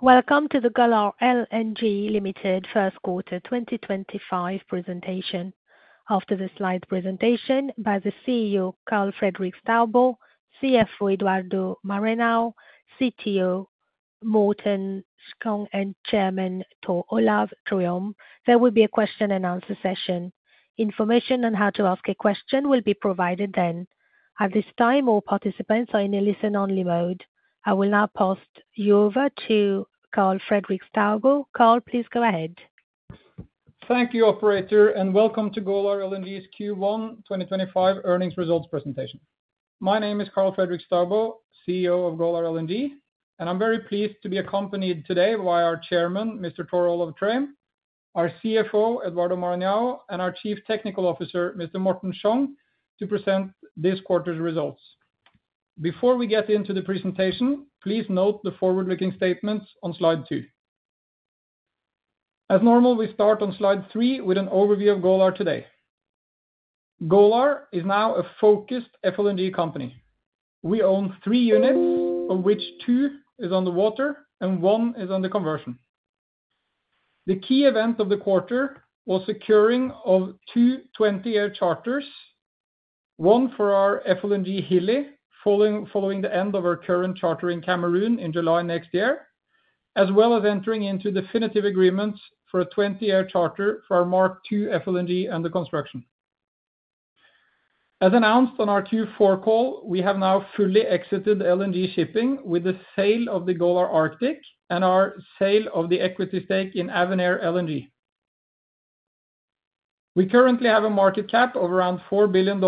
Welcome to the Golar LNG First Quarter 2025 presentation. After the slide presentation by the CEO Karl Fredrik Staubo, CFO Eduardo Maranhão, CTO Morten Skjong, and Chairman Tor OlavTrøim, there will be a question and answer session. Information on how to ask a question will be provided then. At this time, all participants are in a listen-only mode. I will now pass you over to Karl Fredrik Staubo. Karl, please go ahead. Thank you, Operator, and welcome to Golar LNG's Q1 2025 earnings results presentation. My name is Karl Fredrik Staubo, CEO of Golar LNG, and I'm very pleased to be accompanied today by our Chairman, Mr. Tor Olav Trøim, our CFO Eduardo Maranhão, and our Chief Technical Officer, Mr. Morten Skjong, to present this quarter's results. Before we get into the presentation, please note the forward-looking statements on slide two. As normal, we start on slide three with an overview of Golar today. Golar is now a focused FLNG company. We own three units, of which two are under water and one is under conversion. The key event of the quarter was the securing of two 20-year charters, one for our FLNG Hilli, following the end of our current charter in Cameroon in July next year, as well as entering into definitive agreements for a 20-year charter for our Mark II FLNG under construction. As announced on our Q4 call, we have now fully exited LNG shipping with the sale of the Golar Arctic and our sale of the equity stake in Avenir LNG. We currently have a market cap of around $4 billion,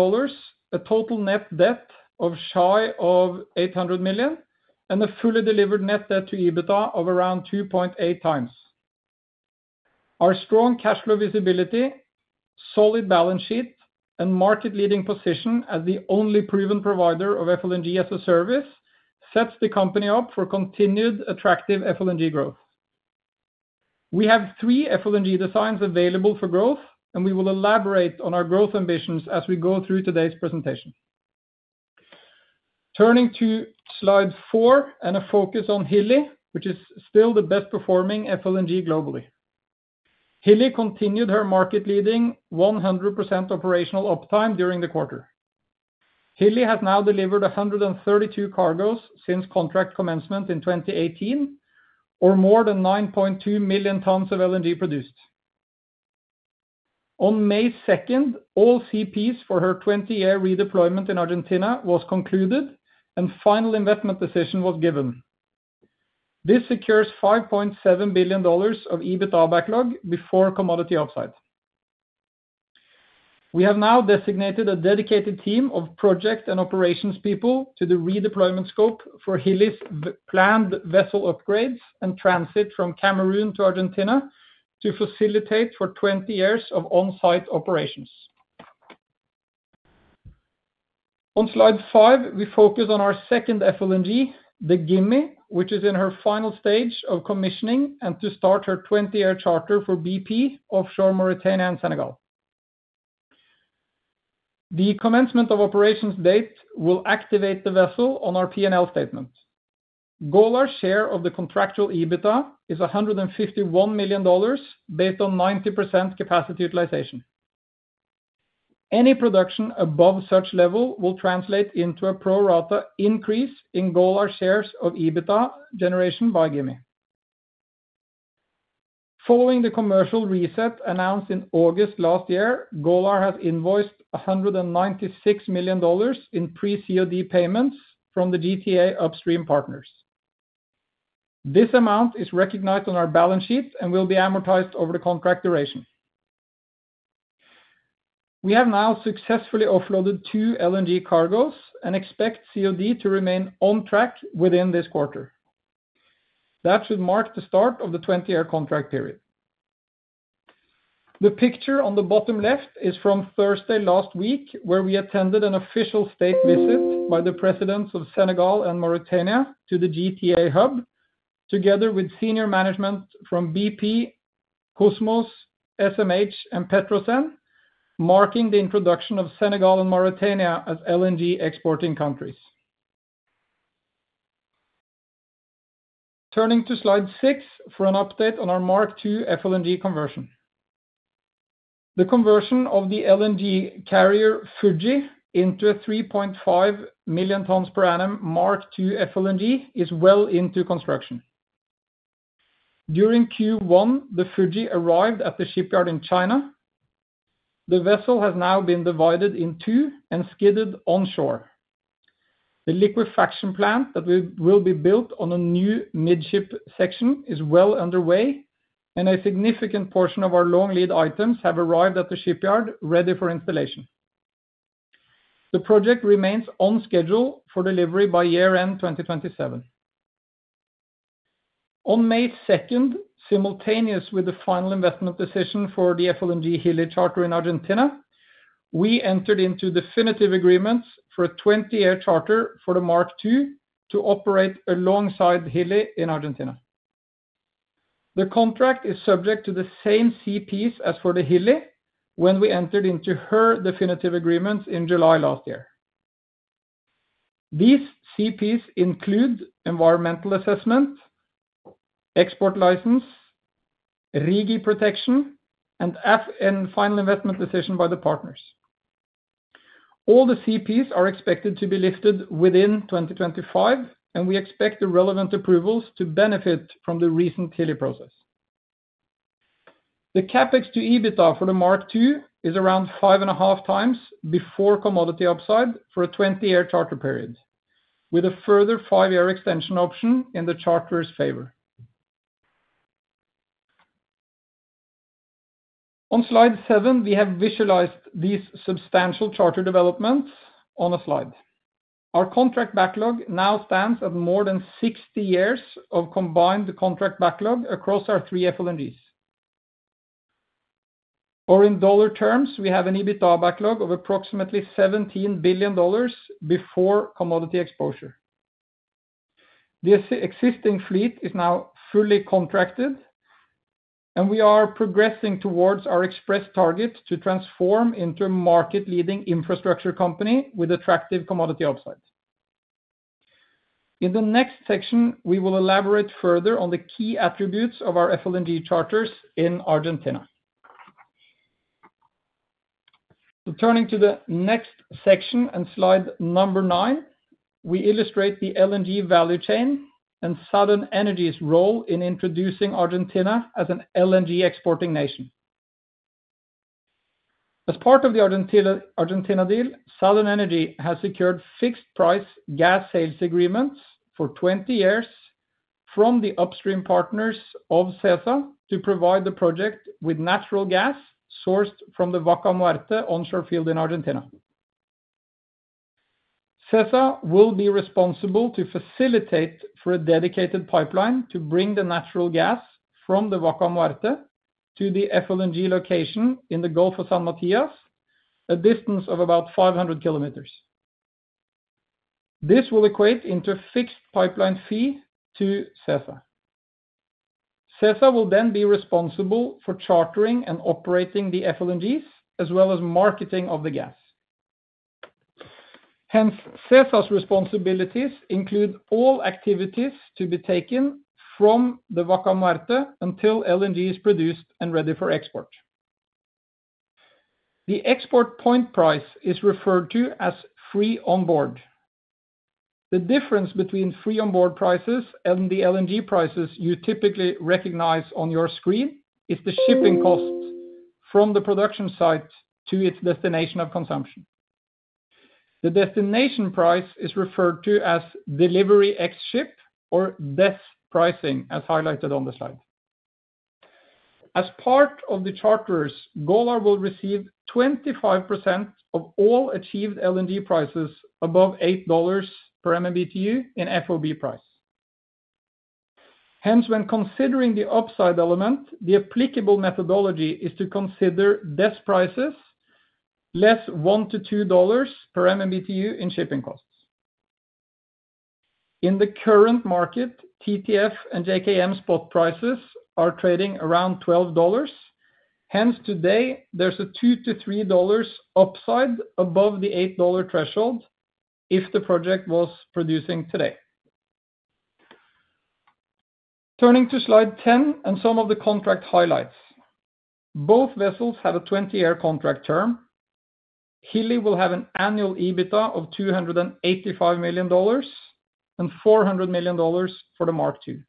a total net debt of shy of $800 million, and a fully delivered net debt to EBITDA of around 2.8 times. Our strong cash flow visibility, solid balance sheet, and market-leading position as the only proven provider of FLNG as a service sets the company up for continued attractive FLNG growth. We have three FLNG designs available for growth, and we will elaborate on our growth ambitions as we go through today's presentation. Turning to slide four and a focus on Hilli, which is still the best-performing FLNG globally. Hilli continued her market-leading 100% operational uptime during the quarter. Hilli has now delivered 132 cargoes since contract commencement in 2018, or more than 9.2 million tons of LNG produced. On May 2, all CPs for her 20-year redeployment in Argentina were concluded, and final investment decisions were given. This secures $5.7 billion of EBITDA backlog before commodity upside. We have now designated a dedicated team of project and operations people to the redeployment scope for Hilli's planned vessel upgrades and transit from Cameroon to Argentina to facilitate for 20 years of on-site operations. On slide five, we focus on our second FLNG, the Gimi, which is in her final stage of commissioning and to start her 20-year charter for BP offshore Mauritania and Senegal. The commencement of operations date will activate the vessel on our P&L statement. Golar's share of the contractual EBITDA is $151 million based on 90% capacity utilization. Any production above such level will translate into a pro-rata increase in Golar's shares of EBITDA generation by Gimi. Following the commercial reset announced in August last year, Golar has invoiced $196 million in pre-COD payments from the GTA upstream partners. This amount is recognized on our balance sheet and will be amortized over the contract duration. We have now successfully offloaded two LNG cargoes and expect COD to remain on track within this quarter. That should mark the start of the 20-year contract period. The picture on the bottom left is from Thursday last week, where we attended an official state visit by the presidents of Senegal and Mauritania to the GTA hub, together with senior management from BP, Kosmos, SMH, and Petrosen, marking the introduction of Senegal and Mauritania as LNG exporting countries. Turning to slide six for an update on our Mark II FLNG conversion. The conversion of the LNG carrier Fuji into a 3.5 million tons per annum Mark II FLNG is well into construction. During Q1, the Fuji arrived at the shipyard in China. The vessel has now been divided in two and skidded onshore. The liquefaction plant that will be built on a new midship section is well underway, and a significant portion of our long lead items have arrived at the shipyard ready for installation. The project remains on schedule for delivery by year-end 2027. On May 2, simultaneous with the final investment decision for the FLNG Hilli charter in Argentina, we entered into definitive agreements for a 20-year charter for the Mark II to operate alongside Hilli in Argentina. The contract is subject to the same CPs as for the Hilli when we entered into her definitive agreements in July last year. These CPs include environmental assessment, export license, REGI protection, and final investment decision by the partners. All the CPs are expected to be lifted within 2025, and we expect the relevant approvals to benefit from the recent Hilli process. The CapEx to EBITDA for the Mark II is around five and a half times before commodity upside for a 20-year charter period, with a further five- year extension option in the charter's favor. On slide seven, we have visualized these substantial charter developments on a slide. Our contract backlog now stands at more than 60 years of combined contract backlog across our three FLNGs. Or in dollar terms, we have an EBITDA backlog of approximately $17 billion before commodity exposure. This existing fleet is now fully contracted, and we are progressing towards our express target to transform into a market-leading infrastructure company with attractive commodity upside. In the next section, we will elaborate further on the key attributes of our FLNG charters in Argentina. Turning to the next section and slide number nine, we illustrate the LNG value chain and Southern Energy's role in introducing Argentina as an LNG exporting nation. As part of the Argentina deal, Southern Energy has secured fixed-price gas sales agreements for 20 years from the upstream partners of CESA to provide the project with natural gas sourced from the Vaca Muerta onshore field in Argentina. CESA will be responsible to facilitate for a dedicated pipeline to bring the natural gas from the Vaca Muerta to the FLNG location in the Gulf of San Matias, a distance of about 500 kilometers. This will equate into a fixed pipeline fee to CESA. CESA will then be responsible for chartering and operating the FLNGs, as well as marketing of the gas. Hence, CESA's responsibilities include all activities to be taken from the Vaca Muerta until LNG is produced and ready for export. The export point price is referred to as free onboard. The difference between free onboard prices and the LNG prices you typically recognize on your screen is the shipping cost from the production site to its destination of consumption. The destination price is referred to as delivery ex ship or DES pricing, as highlighted on the slide. As part of the charters, Golar will receive 25% of all achieved LNG prices above $8 per MMBTU in FOB price. Hence, when considering the upside element, the applicable methodology is to consider desk prices less $1-$2 per MMBTU in shipping costs. In the current market, TTF and JKM spot prices are trading around $12. Hence, today, there's a $2-$3 upside above the $8 threshold if the project was producing today. Turning to slide 10 and some of the contract highlights. Both vessels have a 20-year contract term. Hilli will have an annual EBITDA of $285 million and $400 million for the Mark II.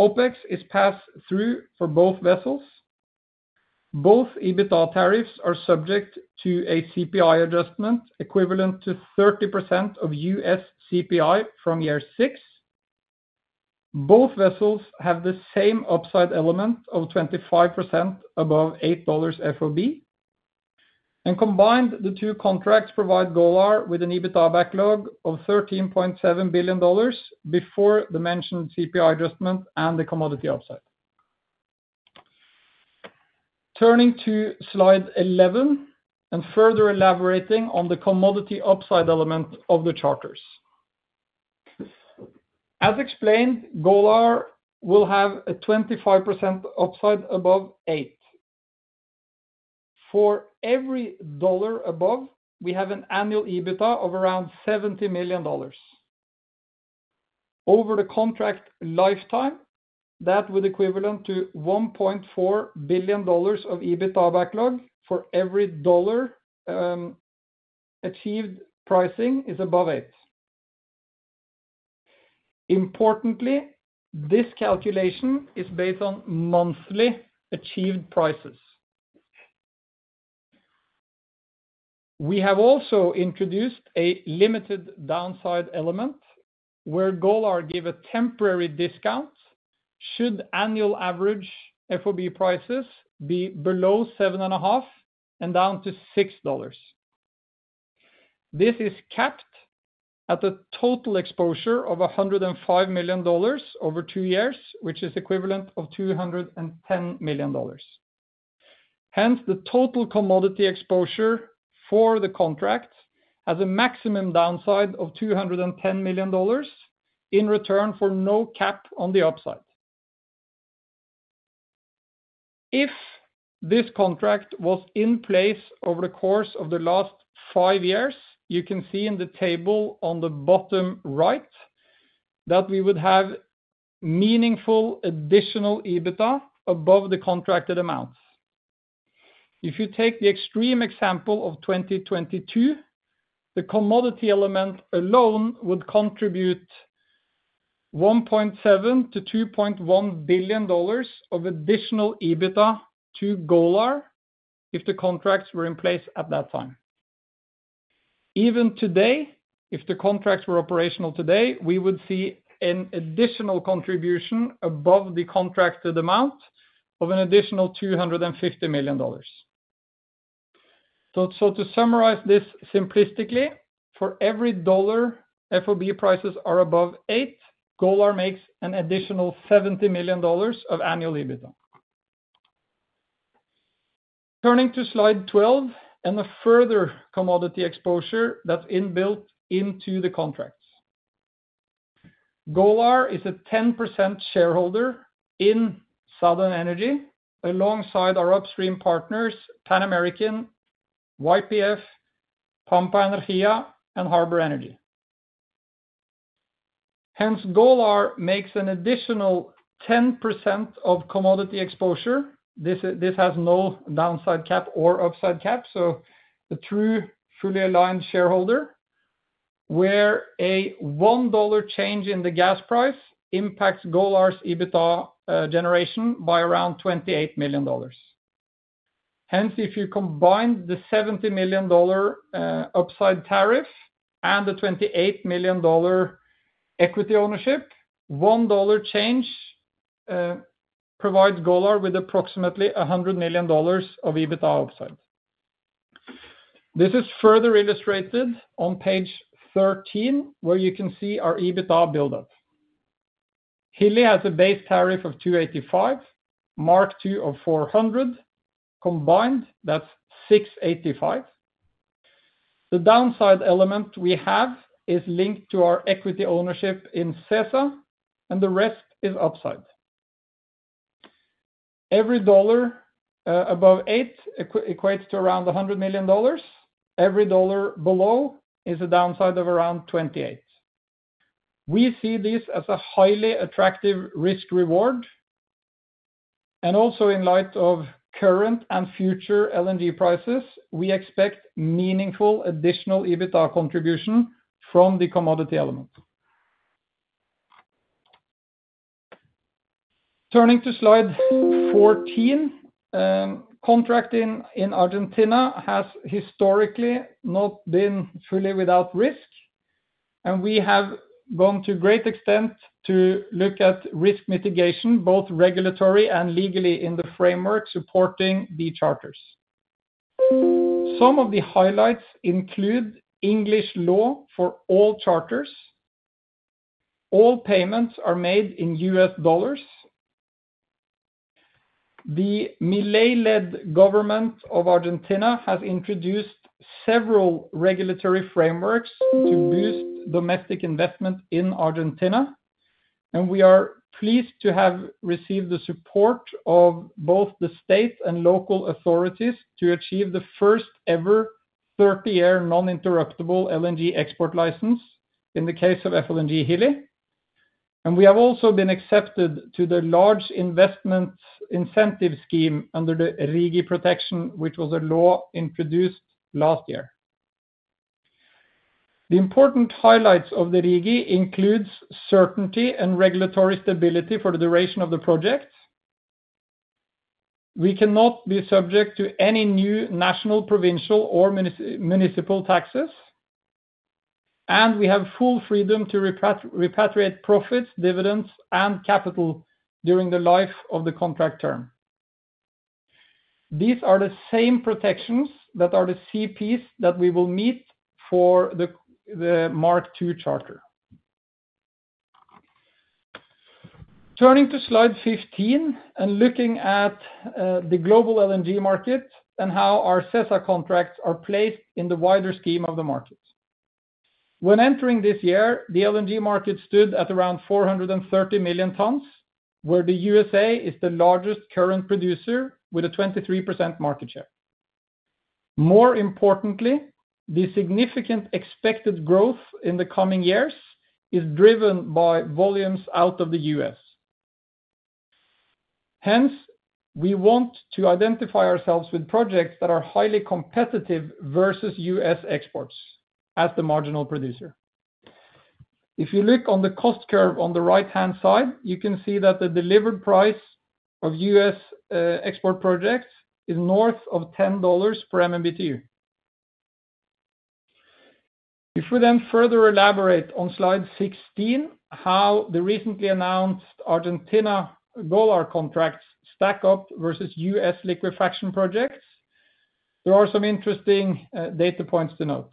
OPEX is passed through for both vessels. Both EBITDA tariffs are subject to a CPI adjustment equivalent to 30% of US CPI from year six. Both vessels have the same upside element of 25% above $8 FOB, and combined, the two contracts provide Golar with an EBITDA backlog of $13.7 billion before the mentioned CPI adjustment and the commodity upside. Turning to slide 11 and further elaborating on the commodity upside element of the charters. As explained, Golar will have a 25% upside above $8. For every dollar above, we have an annual EBITDA of around $70 million. Over the contract lifetime, that would be equivalent to $1.4 billion of EBITDA backlog for every dollar achieved pricing is above $8. Importantly, this calculation is based on monthly achieved prices. We have also introduced a limited downside element where Golar gives a temporary discount should annual average FOB prices be below $7.5 and down to $6. This is capped at a total exposure of $105 million over two years, which is equivalent to $210 million. Hence, the total commodity exposure for the contract has a maximum downside of $210 million in return for no cap on the upside. If this contract was in place over the course of the last five years, you can see in the table on the bottom right that we would have meaningful additional EBITDA above the contracted amount. If you take the extreme example of 2022, the commodity element alone would contribute $1.7 billion-$2.1 billion of additional EBITDA to Golar if the contracts were in place at that time. Even today, if the contracts were operational today, we would see an additional contribution above the contracted amount of an additional $250 million. To summarize this simplistically, for every dollar FOB prices are above $8, Golar makes an additional $70 million of annual EBITDA. Turning to slide 12 and a further commodity exposure that's inbuilt into the contracts. Golar is a 10% shareholder in Southern Energy alongside our upstream partners, Pan American, YPF, Pampa Energía, and Harbor Energy. Hence, Golar makes an additional 10% of commodity exposure. This has no downside cap or upside cap, so the true fully aligned shareholder, where a $1 change in the gas price impacts Golar's EBITDA generation by around $28 million. Hence, if you combine the $70 million upside tariff and the $28 million equity ownership, $1 change provides Golar with approximately $100 million of EBITDA upside. This is further illustrated on page 13, where you can see our EBITDA buildup. Hilli has a base tariff of $285, marked two of $400. Combined, that's $685. The downside element we have is linked to our equity ownership in CESA, and the rest is upside. Every dollar above $8 equates to around $100 million. Every dollar below is a downside of around $28. We see this as a highly attractive risk-reward, and also in light of current and future LNG prices, we expect meaningful additional EBITDA contribution from the commodity element. Turning to slide 14, contracting in Argentina has historically not been fully without risk, and we have gone to great extent to look at risk mitigation, both regulatory and legally, in the framework supporting the charters. Some of the highlights include English law for all charters. All payments are made in US dollars. The Milei-led government of Argentina has introduced several regulatory frameworks to boost domestic investment in Argentina, and we are pleased to have received the support of both the state and local authorities to achieve the first-ever 30-year non-interruptible LNG export license in the case of FLNG Hilli. We have also been accepted to the large investment incentive scheme under the REGI protection, which was a law introduced last year. The important highlights of the REGI include certainty and regulatory stability for the duration of the project. We cannot be subject to any new national, provincial, or municipal taxes, and we have full freedom to repatriate profits, dividends, and capital during the life of the contract term. These are the same protections that are the CPs that we will meet for the Mark II charter. Turning to slide 15 and looking at the global LNG market and how our CESA contracts are placed in the wider scheme of the market. When entering this year, the LNG market stood at around 430 million tons, where the USA is the largest current producer with a 23% market share. More importantly, the significant expected growth in the coming years is driven by volumes out of the US. Hence, we want to identify ourselves with projects that are highly competitive versus US exports as the marginal producer. If you look on the cost curve on the right-hand side, you can see that the delivered price of US export projects is north of $10 per MMBTU. If we then further elaborate on slide 16, how the recently announced Argentina-Golar contracts stack up versus US liquefaction projects, there are some interesting data points to note.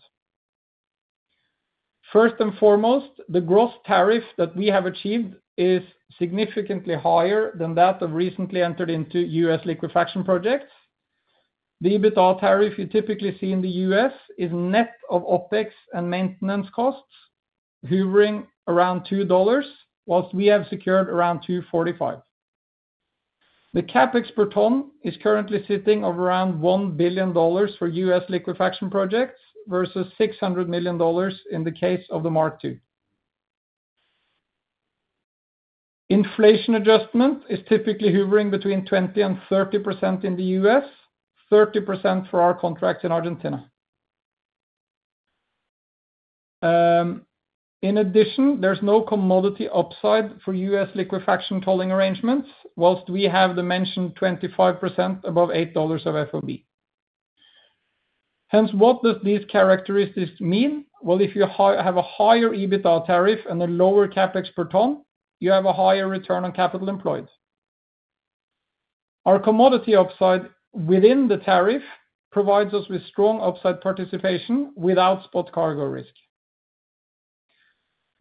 First and foremost, the gross tariff that we have achieved is significantly higher than that of recently entered into US liquefaction projects. The EBITDA tariff you typically see in the US is net of OPEX and maintenance costs, hovering around $2, whilst we have secured around $2.45. The CapEx per ton is currently sitting at around $1 billion for US liquefaction projects versus $600 million in the case of the Mark II. Inflation adjustment is typically hovering between 20% and 30% in the US, 30% for our contracts in Argentina. In addition, there's no commodity upside for US liquefaction tolling arrangements, whilst we have the mentioned 25% above $8 of FOB. Hence, what do these characteristics mean? If you have a higher EBITDA tariff and a lower CapEx per ton, you have a higher return on capital employed. Our commodity upside within the tariff provides us with strong upside participation without spot cargo risk.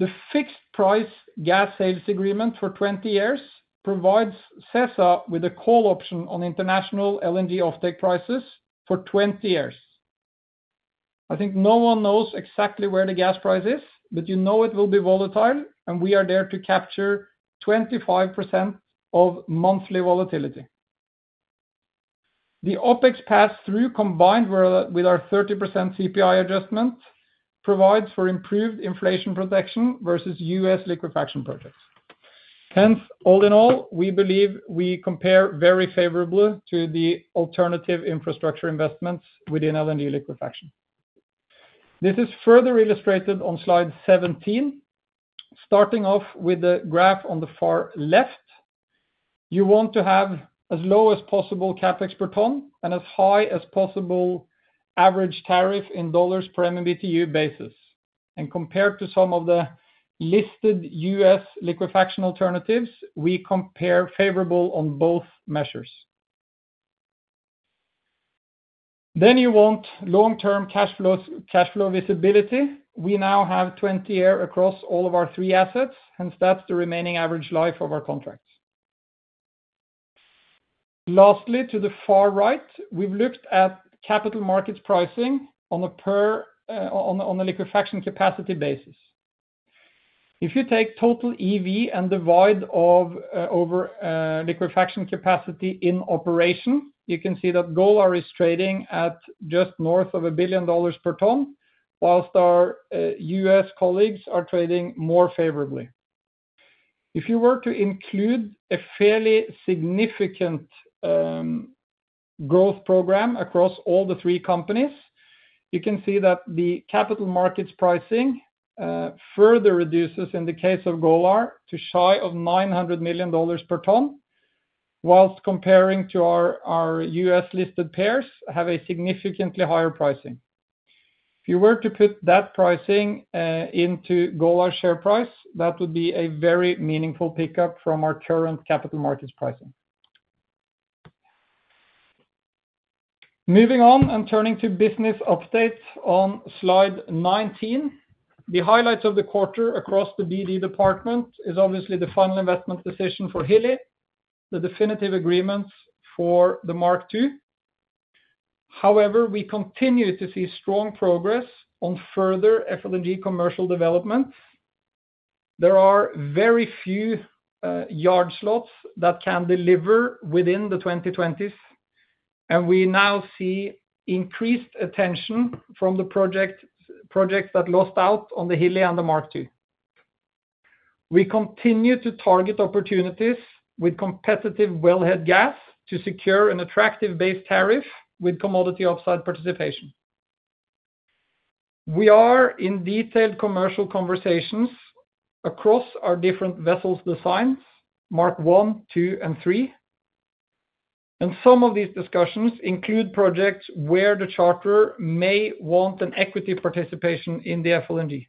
The fixed-price gas sales agreement for 20 years provides CESA with a call option on international LNG offtake prices for 20 years. I think no one knows exactly where the gas price is, but you know it will be volatile, and we are there to capture 25% of monthly volatility. The OPEX pass-through combined with our 30% CPI adjustment provides for improved inflation protection versus US liquefaction projects. Hence, all in all, we believe we compare very favorably to the alternative infrastructure investments within LNG liquefaction. This is further illustrated on slide 17, starting off with the graph on the far left. You want to have as low as possible capex per ton and as high as possible average tariff in dollars per MMBTU basis. Compared to some of the listed US liquefaction alternatives, we compare favorably on both measures. You want long-term cash flow visibility. We now have 20 years across all of our three assets. Hence, that's the remaining average life of our contracts. Lastly, to the far right, we've looked at capital markets pricing on a per on a liquefaction capacity basis. If you take total EV and divide over liquefaction capacity in operation, you can see that Golar is trading at just north of $1 billion per ton, whilst our US colleagues are trading more favorably. If you were to include a fairly significant growth program across all the three companies, you can see that the capital markets pricing further reduces in the case of Golar to shy of $900 million per ton, whilst comparing to our US-listed pairs have a significantly higher pricing. If you were to put that pricing into Golar's share price, that would be a very meaningful pickup from our current capital markets pricing. Moving on and turning to business updates on slide 19, the highlights of the quarter across the BD department is obviously the final investment decision for Hilli, the definitive agreements for the Mark II. However, we continue to see strong progress on further FLNG commercial developments. There are very few yard slots that can deliver within the 2020s, and we now see increased attention from the projects that lost out on the Hilli and the Mark II. We continue to target opportunities with competitive wellhead gas to secure an attractive base tariff with commodity upside participation. We are in detailed commercial conversations across our different vessel designs, Mark I, II, and III. Some of these discussions include projects where the charter may want an equity participation in the FLNG.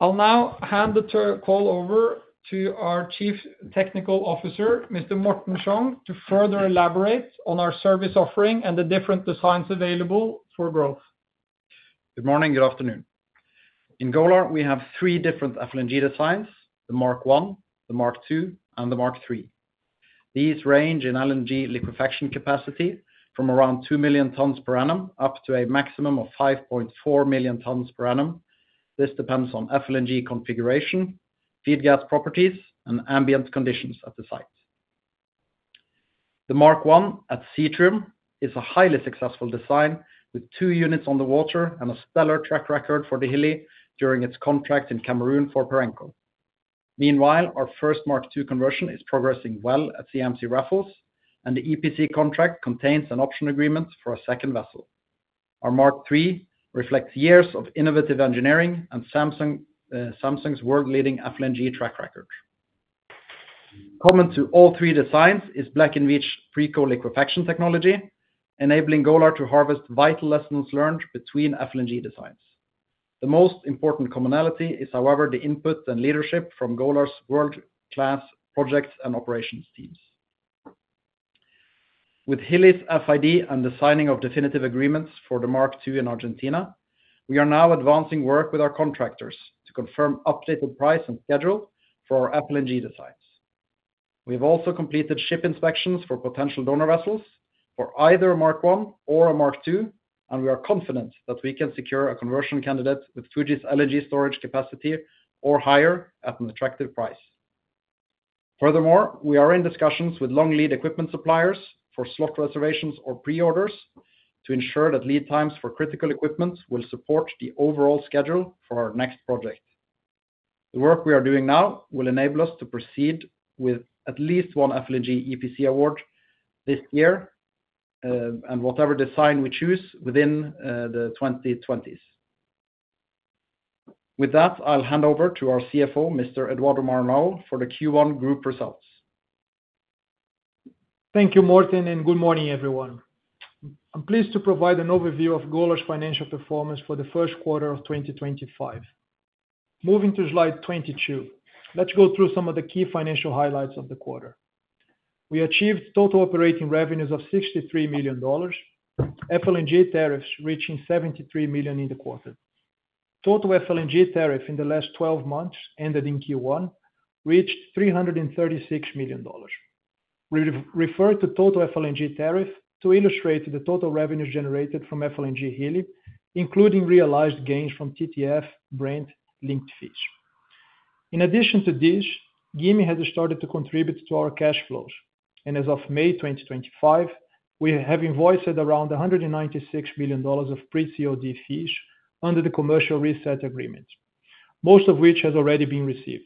I'll now hand the call over to our Chief Technical Officer, Mr. Morten Skjong, to further elaborate on our service offering and the different designs available for growth. Good morning, good afternoon. In Golar, we have three different FLNG designs: the Mark I, the Mark II, and the Mark III. These range in LNG liquefaction capacity from around 2 million tons per annum up to a maximum of 5.4 million tons per annum. This depends on FLNG configuration, feed gas properties, and ambient conditions at the site. The Mark I at Cetrum is a highly successful design with two units on the water and a stellar track record for the Hilli during its contract in Cameroon for Perenco. Meanwhile, our first Mark II conversion is progressing well at CMC Raffles, and the EPC contract contains an option agreement for a second vessel. Our Mark III reflects years of innovative engineering and Samsung's world-leading FLNG track record. Common to all three designs is Black & Veatch pre-cooling liquefaction technology, enabling Golar to harvest vital lessons learned between FLNG designs. The most important commonality is, however, the input and leadership from Golar's world-class projects and operations teams. With Hilli's FID and the signing of definitive agreements for the Mark II in Argentina, we are now advancing work with our contractors to confirm updated price and schedule for our FLNG designs. We have also completed ship inspections for potential donor vessels for either a Mark I or a Mark II, and we are confident that we can secure a conversion candidate with Fuji's LNG storage capacity or higher at an attractive price. Furthermore, we are in discussions with long lead equipment suppliers for slot reservations or pre-orders to ensure that lead times for critical equipment will support the overall schedule for our next project. The work we are doing now will enable us to proceed with at least one FLNG EPC award this year and whatever design we choose within the 2020s. With that, I'll hand over to our CFO, Mr. Eduardo Maranhão, for the Q1 group results. Thank you, Martin, and good morning, everyone. I'm pleased to provide an overview of Golar's financial performance for the first quarter of 2025. Moving to slide 22, let's go through some of the key financial highlights of the quarter. We achieved total operating revenues of $63 million, FLNG tariffs reaching $73 million in the quarter. Total FLNG tariff in the last 12 months ended in Q1 reached $336 million. We refer to total FLNG tariff to illustrate the total revenues generated from FLNG Hilli, including realized gains from TTF brand linked fees. In addition to this, Gimi has started to contribute to our cash flows, and as of May 2025, we have invoiced at around $196 million of pre-COD fees under the commercial reset agreement, most of which has already been received.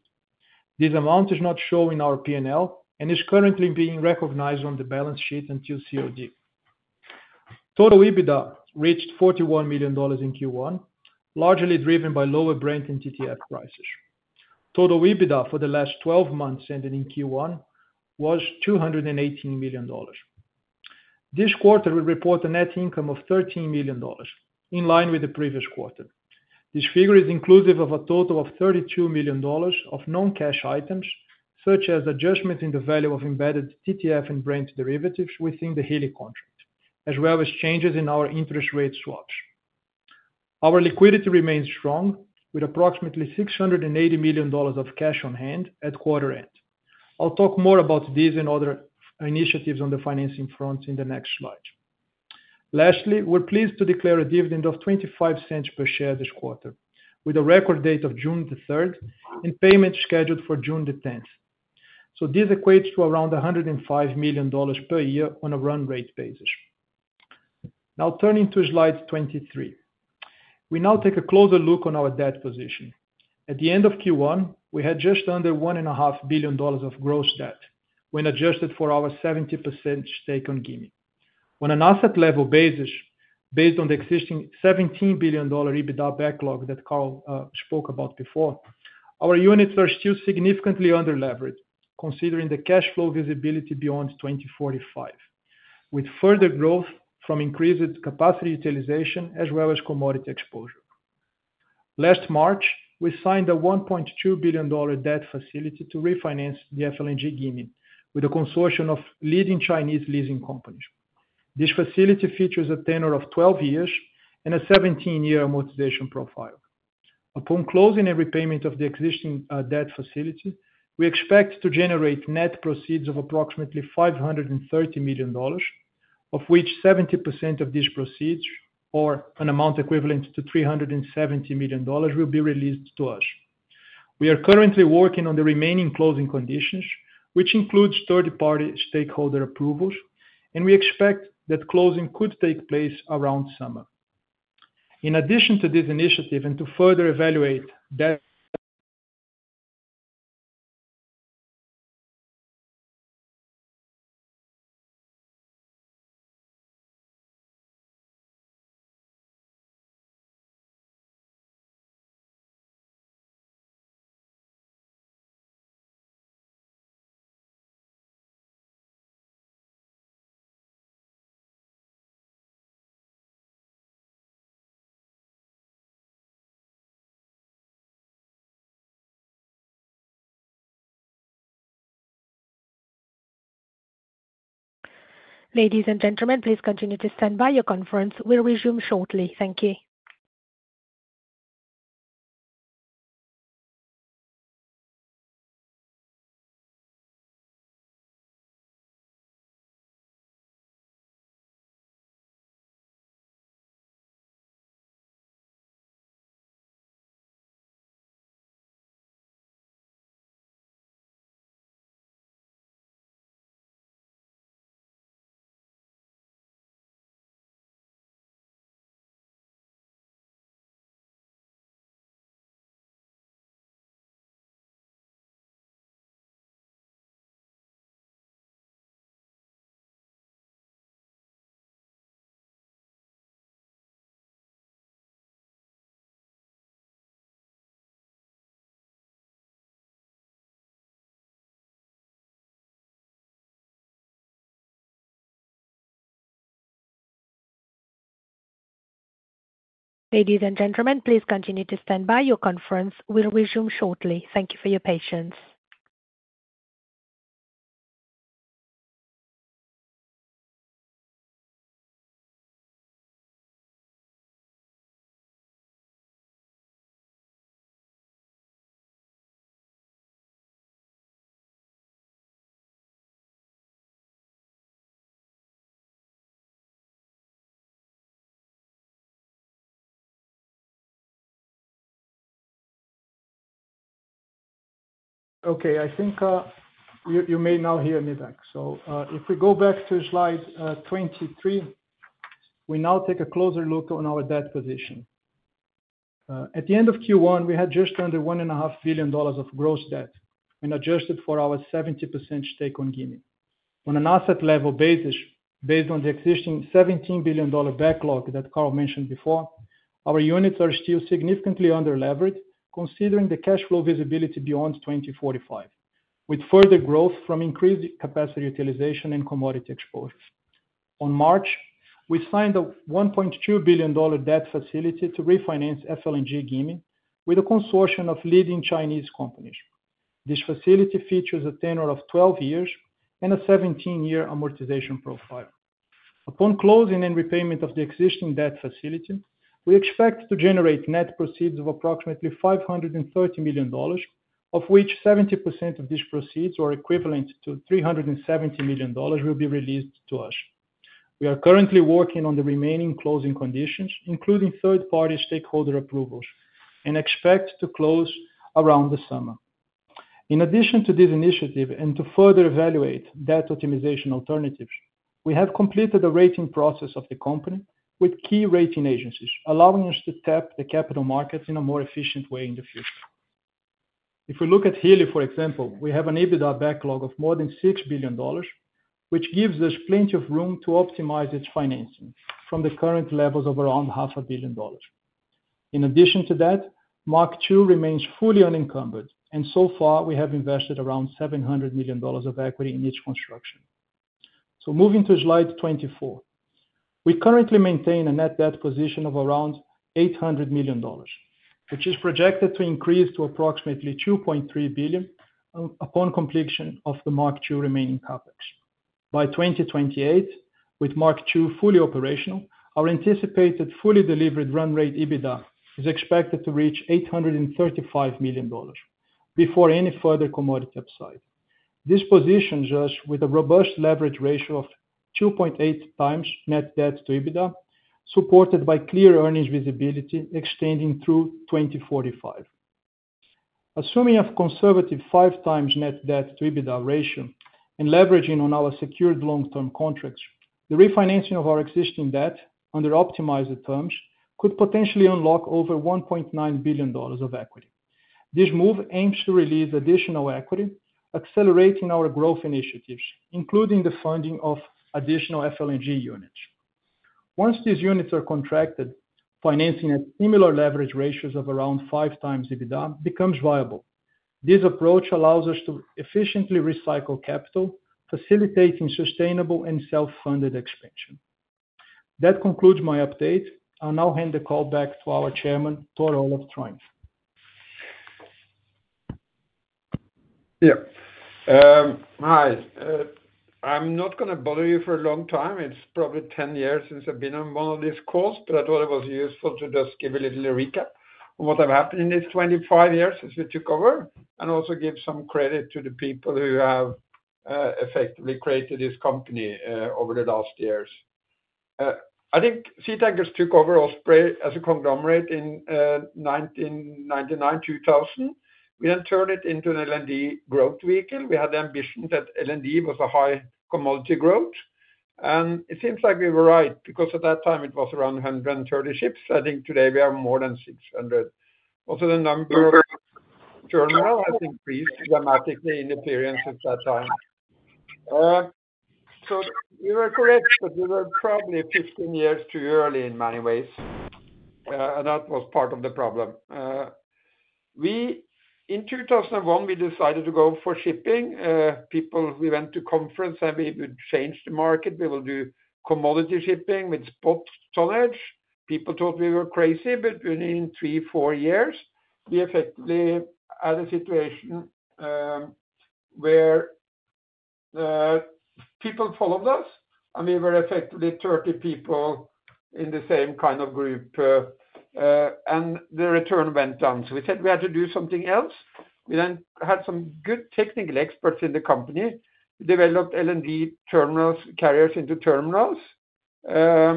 This amount is not shown in our P&L and is currently being recognized on the balance sheet until COD. Total EBITDA reached $41 million in Q1, largely driven by lower Brent and TTF prices. Total EBITDA for the last 12 months ended in Q1 was $218 million. This quarter, we report a net income of $13 million in line with the previous quarter. This figure is inclusive of a total of $32 million of non-cash items, such as adjustments in the value of embedded TTF and Brent derivatives within the Hilli contract, as well as changes in our interest rate swaps. Our liquidity remains strong with approximately $680 million of cash on hand at quarter end. I'll talk more about these and other initiatives on the financing front in the next slide. Lastly, we're pleased to declare a dividend of $0.25 per share this quarter, with a record date of June the 3rd and payment scheduled for June the 10th. This equates to around $105 million per year on a run rate basis. Now, turning to slide 23, we now take a closer look on our debt position. At the end of Q1, we had just under $1.5 billion of gross debt when adjusted for our 70% stake on Gimi. On an asset level basis, based on the existing $17 billion EBITDA backlog that Karl spoke about before, our units are still significantly underleveraged, considering the cash flow visibility beyond 2045, with further growth from increased capacity utilization as well as commodity exposure. Last March, we signed a $1.2 billion debt facility to refinance the FLNG Gimi with a consortium of leading Chinese leasing companies. This facility features a tenor of 12 years and a 17-year amortization profile. Upon closing and repayment of the existing debt facility, we expect to generate net proceeds of approximately $530 million, of which 70% of these proceeds, or an amount equivalent to $370 million, will be released to us. We are currently working on the remaining closing conditions, which includes third-party stakeholder approvals, and we expect that closing could take place around summer. In addition to this initiative and to further evaluate debt. Ladies and gentlemen, please continue to stand by. Your conference will resume shortly. Thank you. Ladies and gentlemen, please continue to stand by. Your conference will resume shortly. Thank you for your patience. Okay, I think you may now hear me back. If we go back to slide 23, we now take a closer look on our debt position. At the end of Q1, we had just under $1.5 billion of gross debt when adjusted for our 70% stake on Gimi. On an asset level basis, based on the existing $17 billion backlog that Karl mentioned before, our units are still significantly underleveraged, considering the cash flow visibility beyond 2045, with further growth from increased capacity utilization and commodity exposures. In March, we signed a $1.2 billion debt facility to refinance FLNG Gimi with a consortium of leading Chinese companies. This facility features a tenor of 12 years and a 17-year amortization profile. Upon closing and repayment of the existing debt facility, we expect to generate net proceeds of approximately $530 million, of which 70% of these proceeds or equivalent to $370 million will be released to us. We are currently working on the remaining closing conditions, including third-party stakeholder approvals, and expect to close around the summer. In addition to this initiative and to further evaluate debt optimization alternatives, we have completed the rating process of the company with key rating agencies, allowing us to tap the capital markets in a more efficient way in the future. If we look at Hilli, for example, we have an EBITDA backlog of more than $6 billion, which gives us plenty of room to optimize its financing from the current levels of around $500 million. In addition to that, Mark II remains fully unencumbered, and so far, we have invested around $700 million of equity in its construction. Moving to slide 24, we currently maintain a net debt position of around $800 million, which is projected to increase to approximately $2.3 billion upon completion of the Mark II remaining capex. By 2028, with Mark II fully operational, our anticipated fully delivered run rate EBITDA is expected to reach $835 million before any further commodity upside. This positions us with a robust leverage ratio of 2.8 times net debt to EBITDA, supported by clear earnings visibility extending through 2045. Assuming a conservative five times net debt to EBITDA ratio and leveraging on our secured long-term contracts, the refinancing of our existing debt under optimized terms could potentially unlock over $1.9 billion of equity. This move aims to release additional equity, accelerating our growth initiatives, including the funding of additional FLNG units. Once these units are contracted, financing at similar leverage ratios of around five times EBITDA becomes viable. This approach allows us to efficiently recycle capital, facilitating sustainable and self-funded expansion. That concludes my update. I'll now hand the call back to our Chairman, Tor Olav Trøim. Yeah, hi. I'm not going to bother you for a long time. It's probably 10 years since I've been on one of these calls, but I thought it was useful to just give a little recap on what has happened in these 25 years since we took over and also give some credit to the people who have effectively created this company over the last years. I think SeaTankers took over Osprey as a conglomerate in 1999, 2000. We then turned it into an LNG growth vehicle. We had the ambition that LNG was a high commodity growth. It seems like we were right because at that time, it was around 130 ships. I think today we have more than 600. Also, the number of terminals has increased dramatically in appearance since that time. You were correct, but we were probably 15 years too early in many ways. That was part of the problem. In 2001, we decided to go for shipping. We went to conferences and we changed the market. We will do commodity shipping with spot tonnage. People thought we were crazy, but within three, four years, we effectively had a situation where people followed us and we were effectively 30 people in the same kind of group. The return went down. We said we had to do something else. We then had some good technical experts in the company. We developed LNG terminals, carriers into terminals. We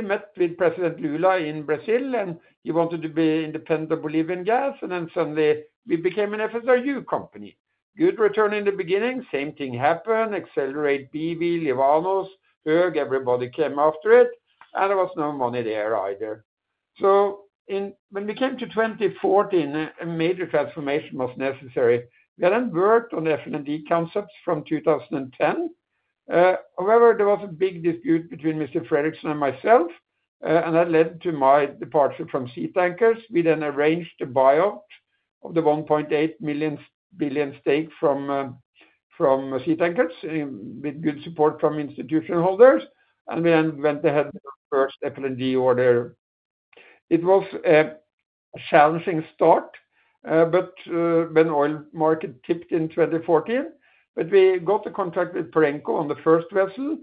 met with President Lula in Brazil, and he wanted to be independent of Bolivian gas. Suddenly, we became an FSRU company. Good return in the beginning. Same thing happened. Accelerate BV, Livanos, Hög, everybody came after it. There was no money there either. When we came to 2014, a major transformation was necessary. We then worked on FLNG concepts from 2010. However, there was a big dispute between Mr. Fredrikson and myself, and that led to my departure from SeaTankers. We then arranged a buyout of the $1.8 billion stake from SeaTankers with good support from institution holders. We then went ahead with our first FLNG order. It was a challenging start, but when the oil market tipped in 2014, we got the contract with Perenco on the first vessel.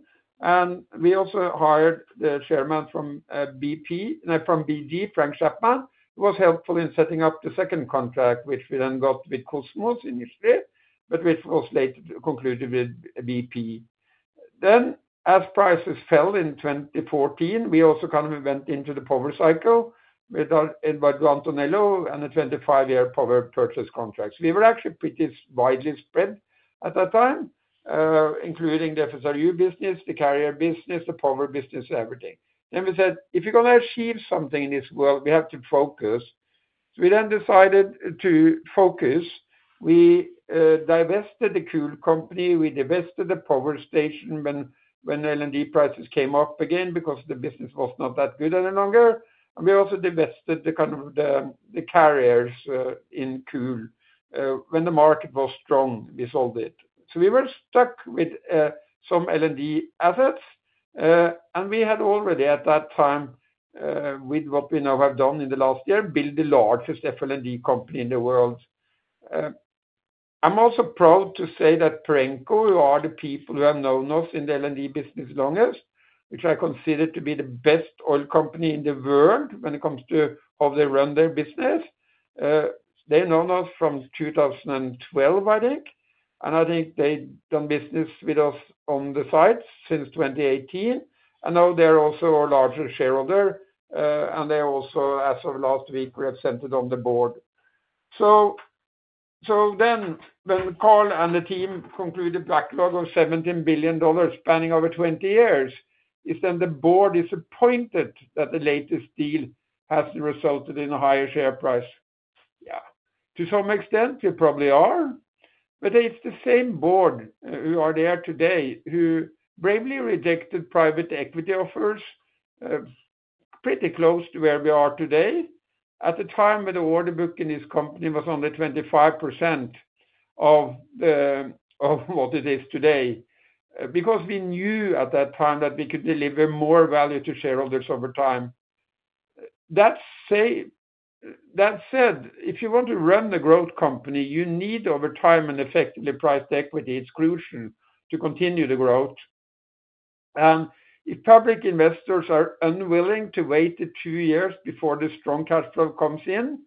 We also hired the Chairman from BG, Frank Chapman, who was helpful in setting up the second contract, which we then got with Kosmos initially, but which was later concluded with BP. As prices fell in 2014, we also kind of went into the power cycle with Eduardo Maranhão and a 25-year power purchase contract. We were actually pretty widely spread at that time, including the FSRU business, the carrier business, the power business, everything. We said, "If you're going to achieve something in this world, we have to focus." We then decided to focus. We divested the Cool Company. We divested the power station when LNG prices came up again because the business was not that good any longer. We also divested the kind of the carriers in Cool. When the market was strong, we sold it. We were stuck with some LNG assets. We had already at that time, with what we now have done in the last year, built the largest FLNG company in the world. I'm also proud to say that Perenco, who are the people who have known us in the LNG business longest, which I consider to be the best oil company in the world when it comes to how they run their business, they've known us from 2012, I think. I think they've done business with us on the sides since 2018. Now they're also our larger shareholder. They also, as of last week, were accepted on the board. When Karl and the team concluded a backlog of $17 billion spanning over 20 years, is the board disappointed that the latest deal has resulted in a higher share price? Yeah. To some extent, you probably are. It is the same board who are there today, who bravely rejected private equity offers pretty close to where we are today. At the time when the order book in this company was only 25% of what it is today, because we knew at that time that we could deliver more value to shareholders over time. That said, if you want to run the growth company, you need over time an effectively priced equity exclusion to continue the growth. If public investors are unwilling to wait two years before the strong cash flow comes in,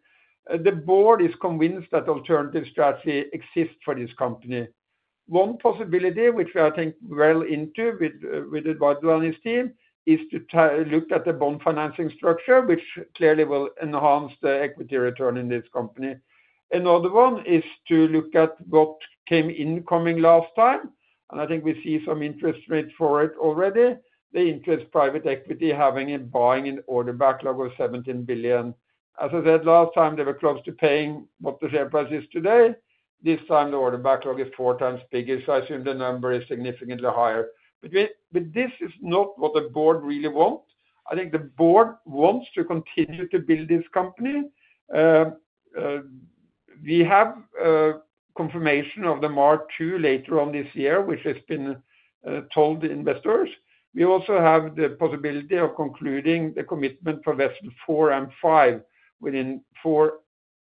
the board is convinced that alternative strategy exists for this company. One possibility, which I think we're well into with Eduardo Maranhão and his team, is to look at the bond financing structure, which clearly will enhance the equity return in this company. Another one is to look at what came incoming last time. I think we see some interest rate for it already. The interest private equity having a buying and order backlog of $17 billion. As I said last time, they were close to paying what the share price is today. This time, the order backlog is four times bigger. I assume the number is significantly higher. This is not what the board really wants. I think the board wants to continue to build this company. We have confirmation of the Mark II later on this year, which has been told to investors. We also have the possibility of concluding the commitment for vessel four and five within four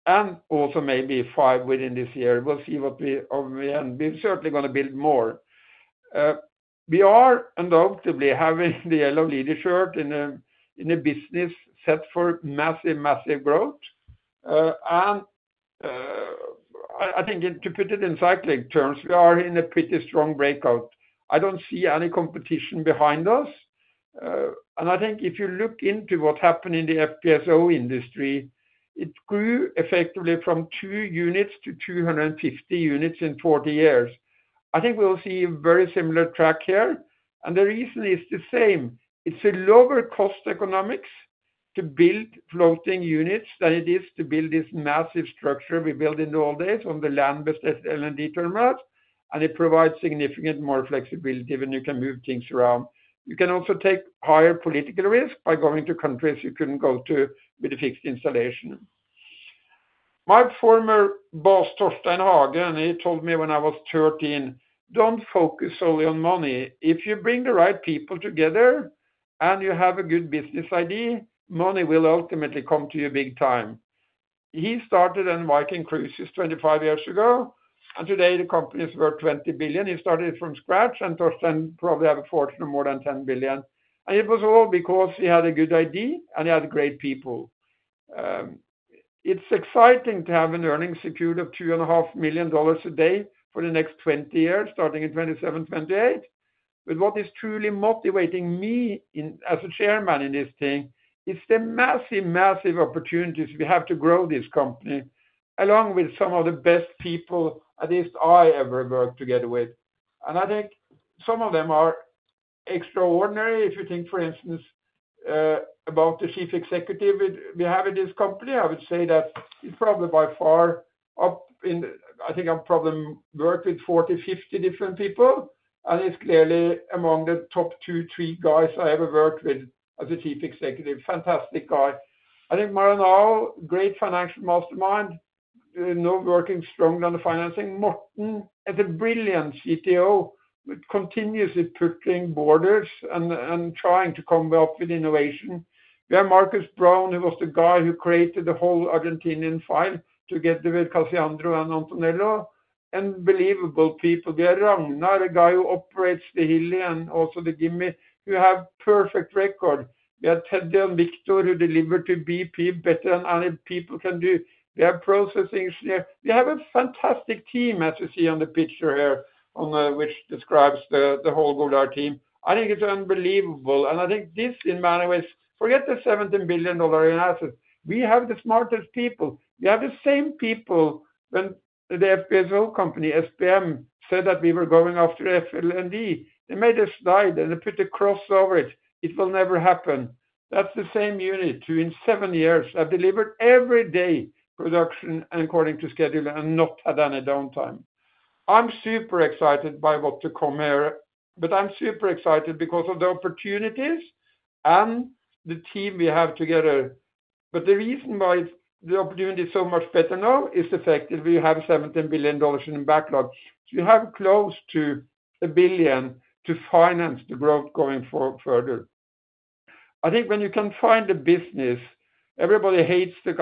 and also maybe five within this year. We will see what we are. We are certainly going to build more. We are undoubtedly having the yellow leader shirt in a business set for massive, massive growth. I think to put it in cyclic terms, we are in a pretty strong breakout. I do not see any competition behind us. I think if you look into what has happened in the FPSO industry, it grew effectively from two units to 250 units in 40 years. I think we will see a very similar track here. The reason is the same. It is a lower cost economics to build floating units than it is to build this massive structure we built in the old days on the land-based LNG terminals. It provides significant more flexibility when you can move things around. You can also take higher political risk by going to countries you could not go to with a fixed installation. My former boss, Torstein Hagen, he told me when I was 13, "Do not focus solely on money. If you bring the right people together and you have a good business idea, money will ultimately come to you big time." He started Viking Cruises 25 years ago. Today, the company is worth $20 billion. He started it from scratch. Torstein probably has a fortune of more than $10 billion. It was all because he had a good idea and he had great people. It is exciting to have an earnings secured of $2.5 million a day for the next 20 years, starting in 2027, 2028. What is truly motivating me as a chairman in this team is the massive, massive opportunities we have to grow this company along with some of the best people at least I ever worked together with. I think some of them are extraordinary. If you think, for instance, about the Chief Executive we have in this company, I would say that he's probably by far up in, I think I've probably worked with 40, 50 different people. He's clearly among the top two, three guys I ever worked with as a Chief Executive. Fantastic guy. I think Maranhão, great financial mastermind, now working strongly on the financing. Morten is a brilliant CTO, but continuously putting borders and trying to come up with innovation. We have Marcus Brown, who was the guy who created the whole Argentinian file together with Caciandro and Antonello. Unbelievable people. We have Ragnar, a guy who operates the Hilli and also the Gimi, who have perfect record. We have Teddy and Victor, who deliver to BP better than any people can do. We have processing engineers. We have a fantastic team, as you see on the picture here, which describes the whole Golar team. I think it's unbelievable. I think this, in many ways, forget the $17 billion in assets. We have the smartest people. We have the same people when the FPSO company, SPM, said that we were going after FLNG. They made a slide and they put a cross over it. It will never happen. That's the same unit in seven years. They've delivered every day production and according to schedule and not had any downtime. I'm super excited by what to come here. I'm super excited because of the opportunities and the team we have together. The reason why the opportunity is so much better now is the fact that we have $17 billion in backlog. You have close to $1 billion to finance the growth going forward further. I think when you can find a business, everybody hates the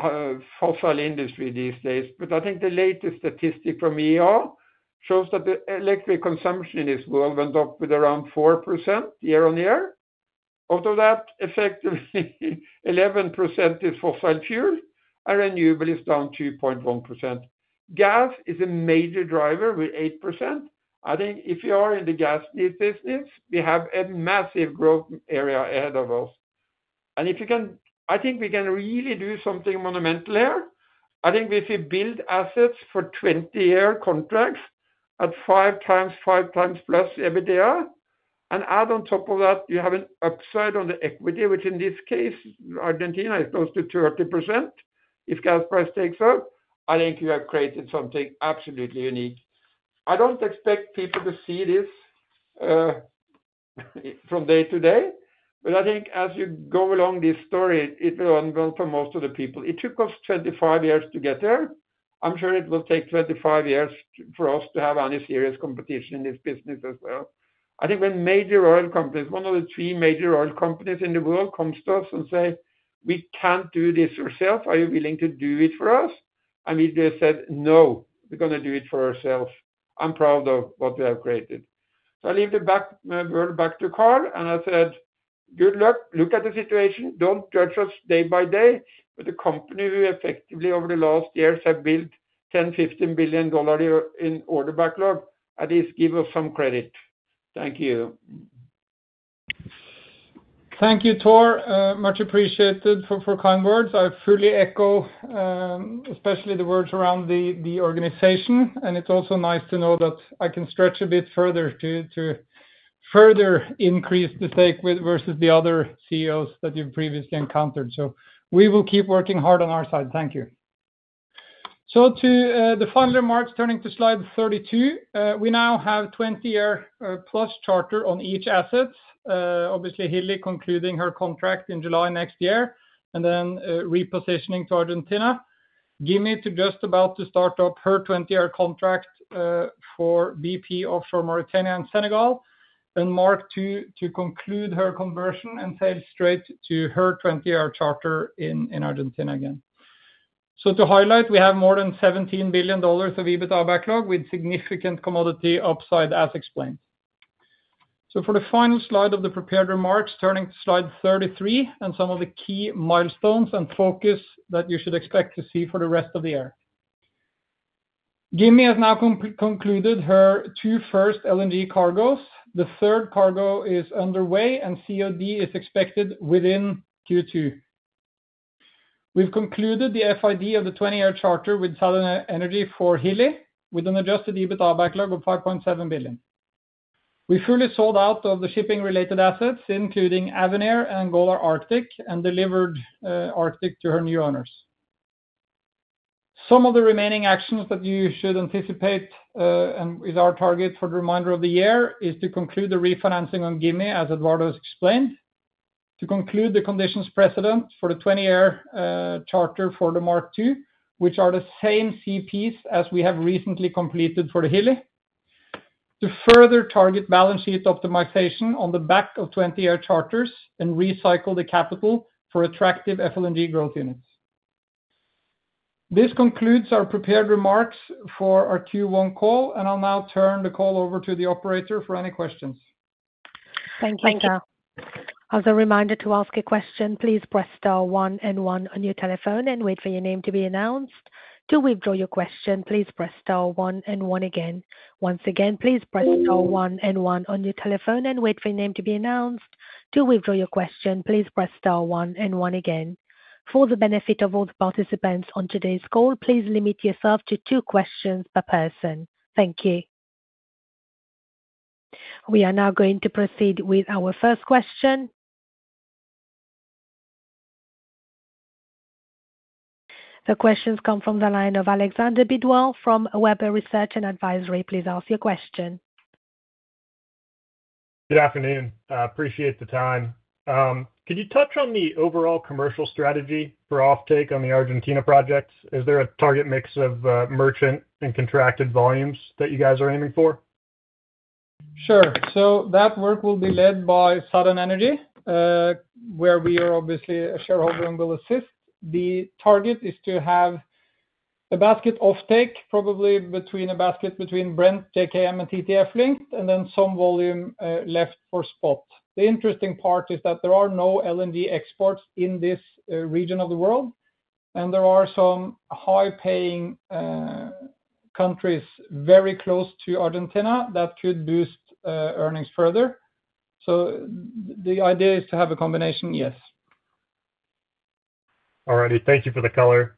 kind of fossil industry these days. I think the latest statistic from EER shows that the electric consumption in this world went up with around 4% year on year. Out of that, effectively, 11% is fossil fuel and renewable is down 2.1%. Gas is a major driver with 8%. I think if you are in the gas business, we have a massive growth area ahead of us. If you can, I think we can really do something monumental here. I think if you build assets for 20-year contracts at five times, five times plus EBITDA, and add on top of that, you have an upside on the equity, which in this case, Argentina is close to 30%. If gas price takes up, I think you have created something absolutely unique. I do not expect people to see this from day to day. I think as you go along this story, it will unravel for most of the people. It took us 25 years to get there. I am sure it will take 25 years for us to have any serious competition in this business as well. I think when major oil companies, one of the three major oil companies in the world comes to us and say, "We cannot do this ourselves. Are you willing to do it for us?" And we just said, "No, we're going to do it for ourselves. I'm proud of what we have created." I leave the world back to Karl. I said, "Good luck. Look at the situation. Don't judge us day by day. The company who effectively over the last years have built $10 billion-$15 billion in order backlog, at least give us some credit. Thank you." Thank you, Tor. Much appreciated for kind words. I fully echo, especially the words around the organization. It's also nice to know that I can stretch a bit further to further increase the stake versus the other CEOs that you've previously encountered. We will keep working hard on our side. Thank you. To the final remarks, turning to slide 32, we now have 20-year plus charter on each asset. Obviously, Hilli concluding her contract in July next year and then repositioning to Argentina. Gimi just about to start up her 20-year contract for BP offshore Mauritania and Senegal and Mark II to conclude her conversion and sail straight to her 20-year charter in Argentina again. To highlight, we have more than $17 billion of EBITDA backlog with significant commodity upside, as explained. For the final slide of the prepared remarks, turning to slide 33 and some of the key milestones and focus that you should expect to see for the rest of the year. Gimi has now concluded her two first LNG cargoes. The third cargo is underway and COD is expected within Q2. We've concluded the FID of the 20-year charter with Southern Energy for Hilli with an adjusted EBITDA backlog of $5.7 billion. We fully sold out of the shipping-related assets, including Avenir and Angola Arctic, and delivered Arctic to her new owners. Some of the remaining actions that you should anticipate and is our target for the remainder of the year is to conclude the refinancing on Gimi, as Eduardo has explained, to conclude the conditions precedent for the 20-year charter for the Mark II, which are the same CPs as we have recently completed for the Hilli, to further target balance sheet optimization on the back of 20-year charters and recycle the capital for attractive FLNG growth units. This concludes our prepared remarks for our Q1 call. I'll now turn the call over to the operator for any questions. Thank you, sir. Thank you. As a reminder to ask a question, please press star one and one on your telephone and wait for your name to be announced. To withdraw your question, please press star one and one again. Once again, please press star one and one on your telephone and wait for your name to be announced. To withdraw your question, please press star one and one again. For the benefit of all the participants on today's call, please limit yourself to two questions per person. Thank you. We are now going to proceed with our first question. The questions come from the line of Alexander Bidwell from Weber Research and Advisory. Please ask your question. Good afternoon. Appreciate the time. Could you touch on the overall commercial strategy for off-take on the Argentina projects? Is there a target mix of merchant and contracted volumes that you guys are aiming for? Sure. That work will be led by Southern Energy, where we are obviously a shareholder and will assist. The target is to have a basket off-take, probably between a basket between Brent, JKM, and TTF linked, and then some volume left for spot. The interesting part is that there are no LNG exports in this region of the world. There are some high-paying countries very close to Argentina that could boost earnings further. The idea is to have a combination, yes. All righty. Thank you for the color.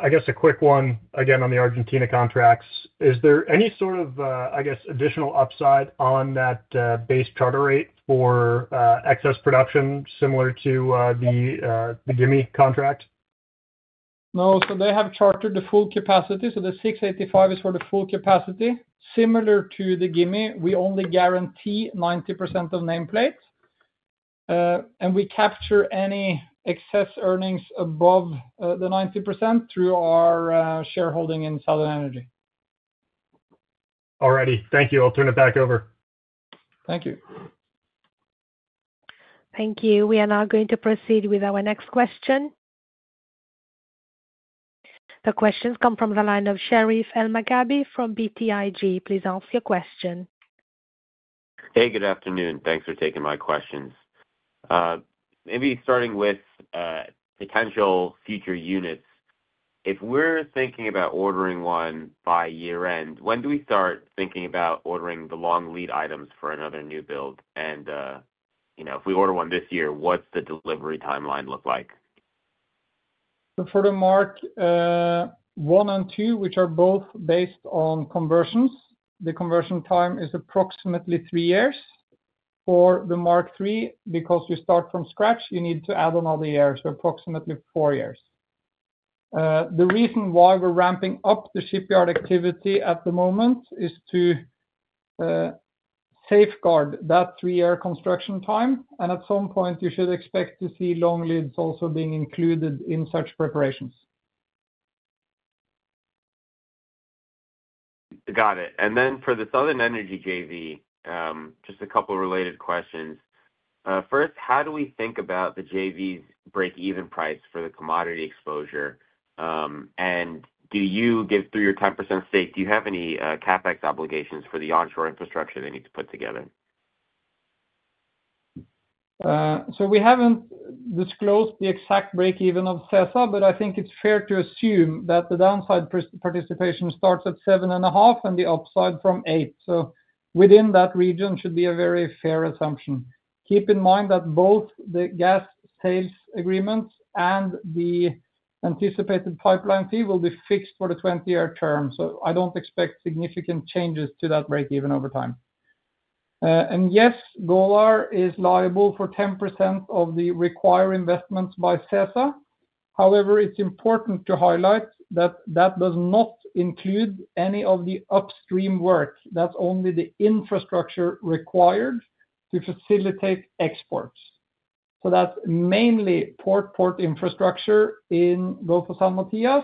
I guess a quick one again on the Argentina contracts. Is there any sort of, I guess, additional upside on that base charter rate for excess production similar to the Gimi contract? No. They have chartered the full capacity. The $685 is for the full capacity. Similar to the Gimi, we only guarantee 90% of nameplate. We capture any excess earnings above the 90% through our shareholding in Southern Energy. All righty. Thank you. I'll turn it back over. Thank you. Thank you. We are now going to proceed with our next question. The questions come from the line of Sherif Ehab Elmaghrabi from BTIG. Please ask your question. Hey, good afternoon. Thanks for taking my questions. Maybe starting with potential future units. If we're thinking about ordering one by year-end, when do we start thinking about ordering the long lead items for another new build? If we order one this year, what's the delivery timeline look like? For the Mark I and II, which are both based on conversions, the conversion time is approximately three years. For the Mark III, because you start from scratch, you need to add another year, so approximately four years. The reason why we're ramping up the shipyard activity at the moment is to safeguard that three-year construction time. At some point, you should expect to see long leads also being included in such preparations. Got it. For the Southern Energy JV, just a couple of related questions. First, how do we think about the JV's break-even price for the commodity exposure? Do you, through your 10% stake, have any CapEx obligations for the onshore infrastructure they need to put together? We haven't disclosed the exact break-even of CESA, but I think it's fair to assume that the downside participation starts at 7.5 and the upside from 8. Within that region should be a very fair assumption. Keep in mind that both the gas sales agreements and the anticipated pipeline fee will be fixed for the 20-year term. I don't expect significant changes to that break-even over time. Yes, Golar is liable for 10% of the required investments by CESA. However, it's important to highlight that does not include any of the upstream work. That's only the infrastructure required to facilitate exports. That's mainly port-port infrastructure in Gulf of San Matias,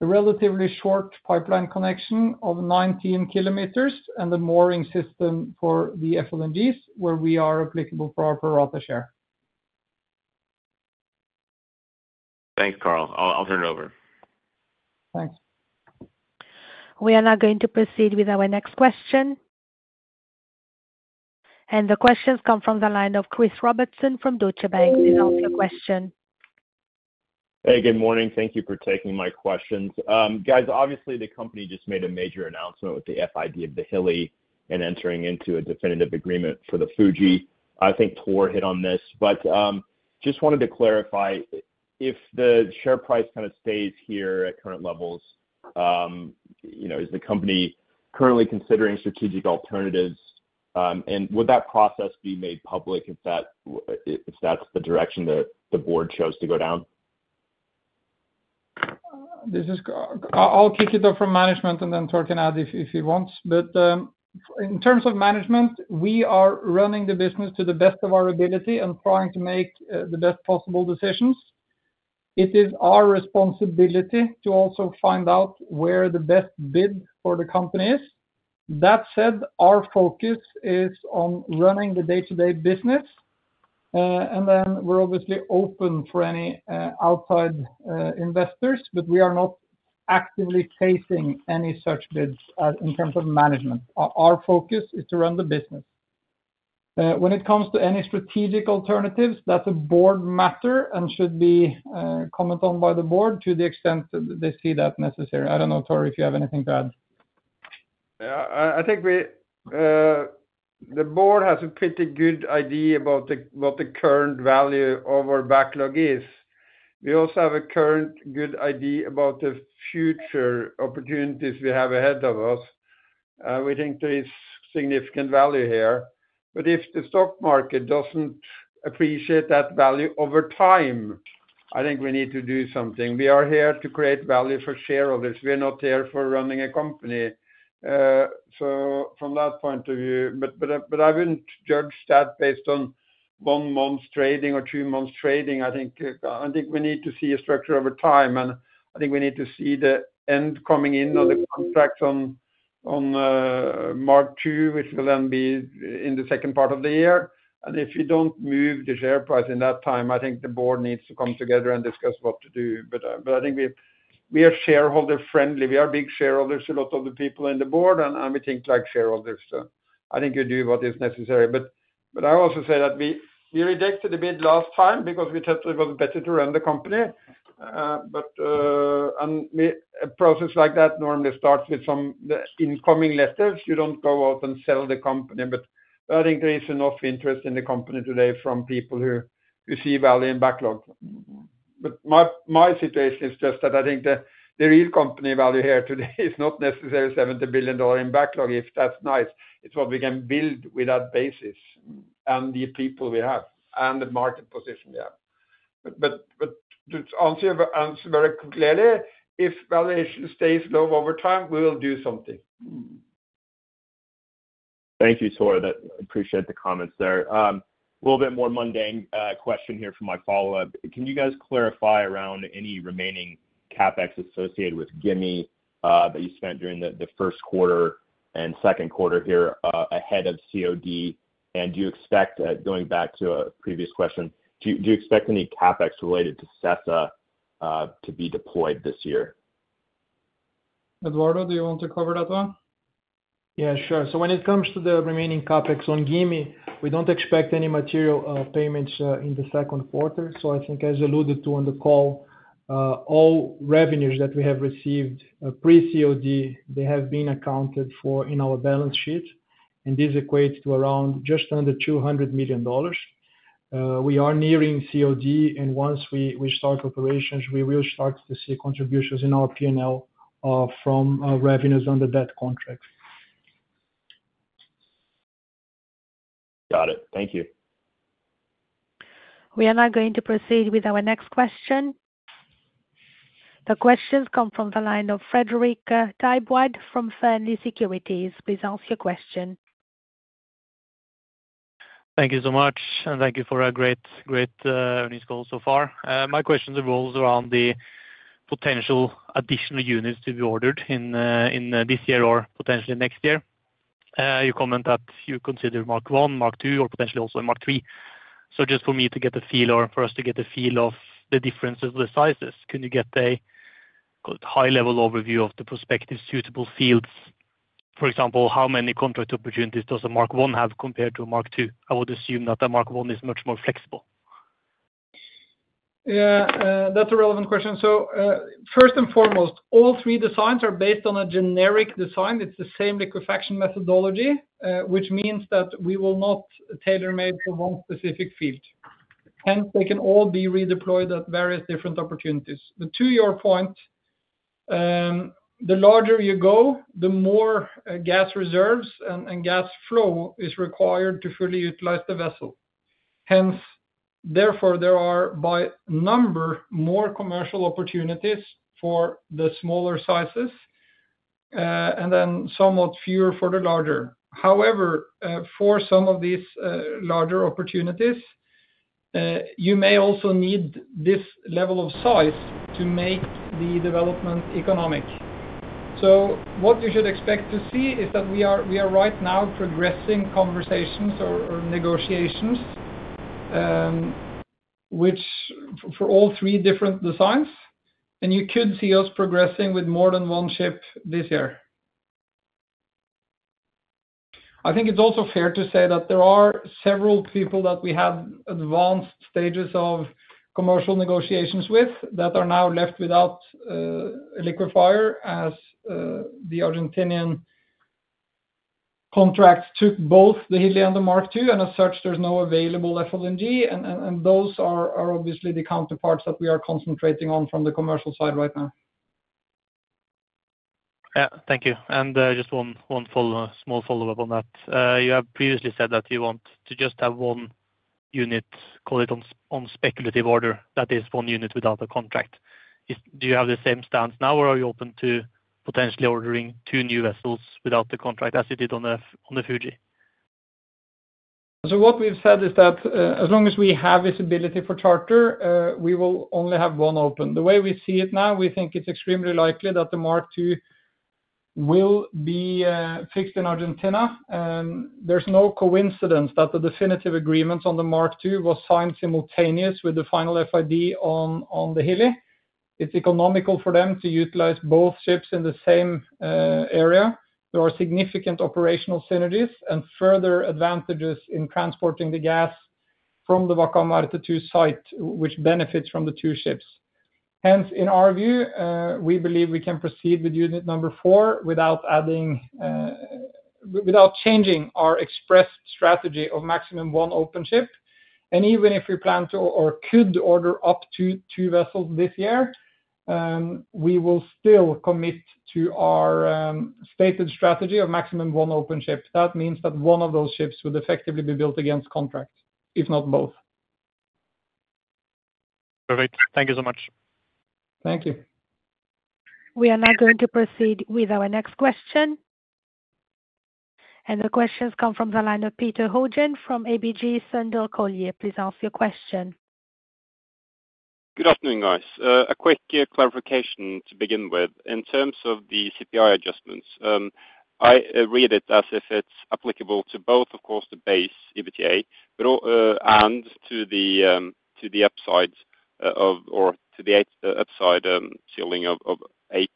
a relatively short pipeline connection of 19 km, and the mooring system for the FLNGs where we are applicable for our pro rata share. Thanks, Karl. I'll turn it over. Thanks. We are now going to proceed with our next question. The questions come from the line of Christopher Warren Robertson from Deutsche Bank. Please ask your question. Hey, good morning. Thank you for taking my questions. Guys, obviously, the company just made a major announcement with the FID of the Hilli and entering into a definitive agreement for the Fuji. I think Tor hit on this. Just wanted to clarify, if the share price kind of stays here at current levels, is the company currently considering strategic alternatives? Would that process be made public if that's the direction that the board chose to go down? I'll kick it off from management and then Tor can add if he wants. In terms of management, we are running the business to the best of our ability and trying to make the best possible decisions. It is our responsibility to also find out where the best bid for the company is. That said, our focus is on running the day-to-day business. We're obviously open for any outside investors, but we are not actively facing any such bids in terms of management. Our focus is to run the business. When it comes to any strategic alternatives, that's a board matter and should be commented on by the board to the extent that they see that necessary. I don't know, Tor, if you have anything to add. Yeah. I think the board has a pretty good idea about what the current value of our backlog is. We also have a current good idea about the future opportunities we have ahead of us. We think there is significant value here. If the stock market does not appreciate that value over time, I think we need to do something. We are here to create value for shareholders. We are not here for running a company. From that point of view, I would not judge that based on one month's trading or two months' trading. I think we need to see a structure over time. I think we need to see the end coming in on the contracts on Mark II, which will then be in the second part of the year. If you do not move the share price in that time, I think the board needs to come together and discuss what to do. I think we are shareholder-friendly. We are big shareholders, a lot of the people in the board, and we think like shareholders. I think we do what is necessary. I also say that we rejected a bid last time because we thought it was better to run the company. A process like that normally starts with some incoming letters. You do not go out and sell the company. I think there is enough interest in the company today from people who see value in backlog. My situation is just that I think the real company value here today is not necessarily $70 billion in backlog, if that is nice. It's what we can build with that basis and the people we have and the market position we have. To answer very clearly, if valuation stays low over time, we will do something. Thank you, Tor. I appreciate the comments there. A little bit more mundane question here for my follow-up. Can you guys clarify around any remaining CapEx associated with Gimi that you spent during the first quarter and second quarter here ahead of COD? Do you expect, going back to a previous question, do you expect any CapEx related to CESA to be deployed this year? Eduardo, do you want to cover that one? Yeah, sure. When it comes to the remaining CapEx on Gimi, we do not expect any material payments in the second quarter. I think, as alluded to on the call, all revenues that we have received pre-COD have been accounted for in our balance sheet. This equates to just under $200 million. We are nearing COD. Once we start operations, we will start to see contributions in our P&L from revenues under that contract. Got it. Thank you. We are now going to proceed with our next question. The questions come from the line of Frederik Tybwild from Fearnley Securities. Please ask your question. Thank you so much. Thank you for a great, great earnings call so far. My question revolves around the potential additional units to be ordered in this year or potentially next year. You comment that you consider Mark I, Mark II, or potentially also a Mark III. Just for me to get a feel or for us to get a feel of the differences of the sizes, can you get a high-level overview of the prospective suitable fields? For example, how many contract opportunities does a Mark I have compared to a Mark II? I would assume that a Mark I is much more flexible. Yeah. That's a relevant question. First and foremost, all three designs are based on a generic design. It's the same liquefaction methodology, which means that we will not tailor-make for one specific field. Hence, they can all be redeployed at various different opportunities. To your point, the larger you go, the more gas reserves and gas flow is required to fully utilize the vessel. Therefore, there are by number more commercial opportunities for the smaller sizes and then somewhat fewer for the larger. However, for some of these larger opportunities, you may also need this level of size to make the development economic. What you should expect to see is that we are right now progressing conversations or negotiations for all three different designs. You could see us progressing with more than one ship this year. I think it's also fair to say that there are several people that we had advanced stages of commercial negotiations with that are now left without a liquefier as the Argentinian contracts took both the Hilli and the Mark II and as such, there's no available FLNG. Those are obviously the counterparts that we are concentrating on from the commercial side right now. Yeah. Thank you. Just one small follow-up on that. You have previously said that you want to just have one unit, call it on speculative order. That is one unit without a contract. Do you have the same stance now, or are you open to potentially ordering two new vessels without the contract as you did on the Fuji? What we've said is that as long as we have this ability for charter, we will only have one open. The way we see it now, we think it's extremely likely that the Mark II will be fixed in Argentina. There's no coincidence that the definitive agreements on the Mark II were signed simultaneously with the final FID on the Hilli. It's economical for them to utilize both ships in the same area. There are significant operational synergies and further advantages in transporting the gas from the Vaca Muerta to the Mark II site, which benefits from the two ships. Hence, in our view, we believe we can proceed with unit number four without changing our express strategy of maximum one open ship. Even if we plan to or could order up to two vessels this year, we will still commit to our stated strategy of maximum one open ship. That means that one of those ships would effectively be built against contract, if not both. Perfect. Thank you so much. Thank you. We are now going to proceed with our next question. The questions come from the line of Peter Hojan from ABG Sundal Collier. Please ask your question. Good afternoon, guys. A quick clarification to begin with. In terms of the CPI adjustments, I read it as if it's applicable to both, of course, the base EBITDA and to the upside or to the upside ceiling of $8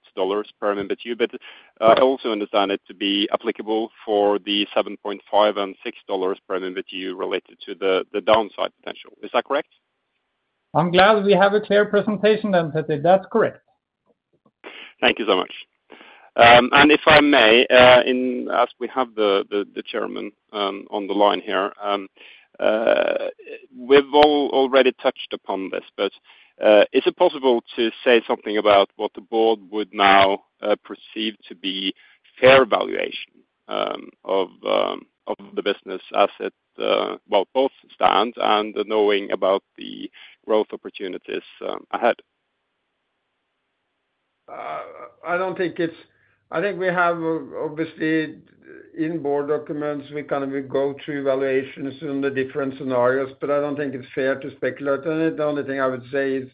per MMBTU. But I also understand it to be applicable for the $7.5 and $6 per MMBTU related to the downside potential. Is that correct? I'm glad we have a clear presentation then, Teddy. That's correct. Thank you so much. If I may, as we have the Chairman on the line here, we've all already touched upon this, but is it possible to say something about what the board would now perceive to be fair valuation of the business as it, both stands and knowing about the growth opportunities ahead? I don't think it's—I think we have obviously in board documents, we kind of go through valuations in the different scenarios. I don't think it's fair to speculate. The only thing I would say is,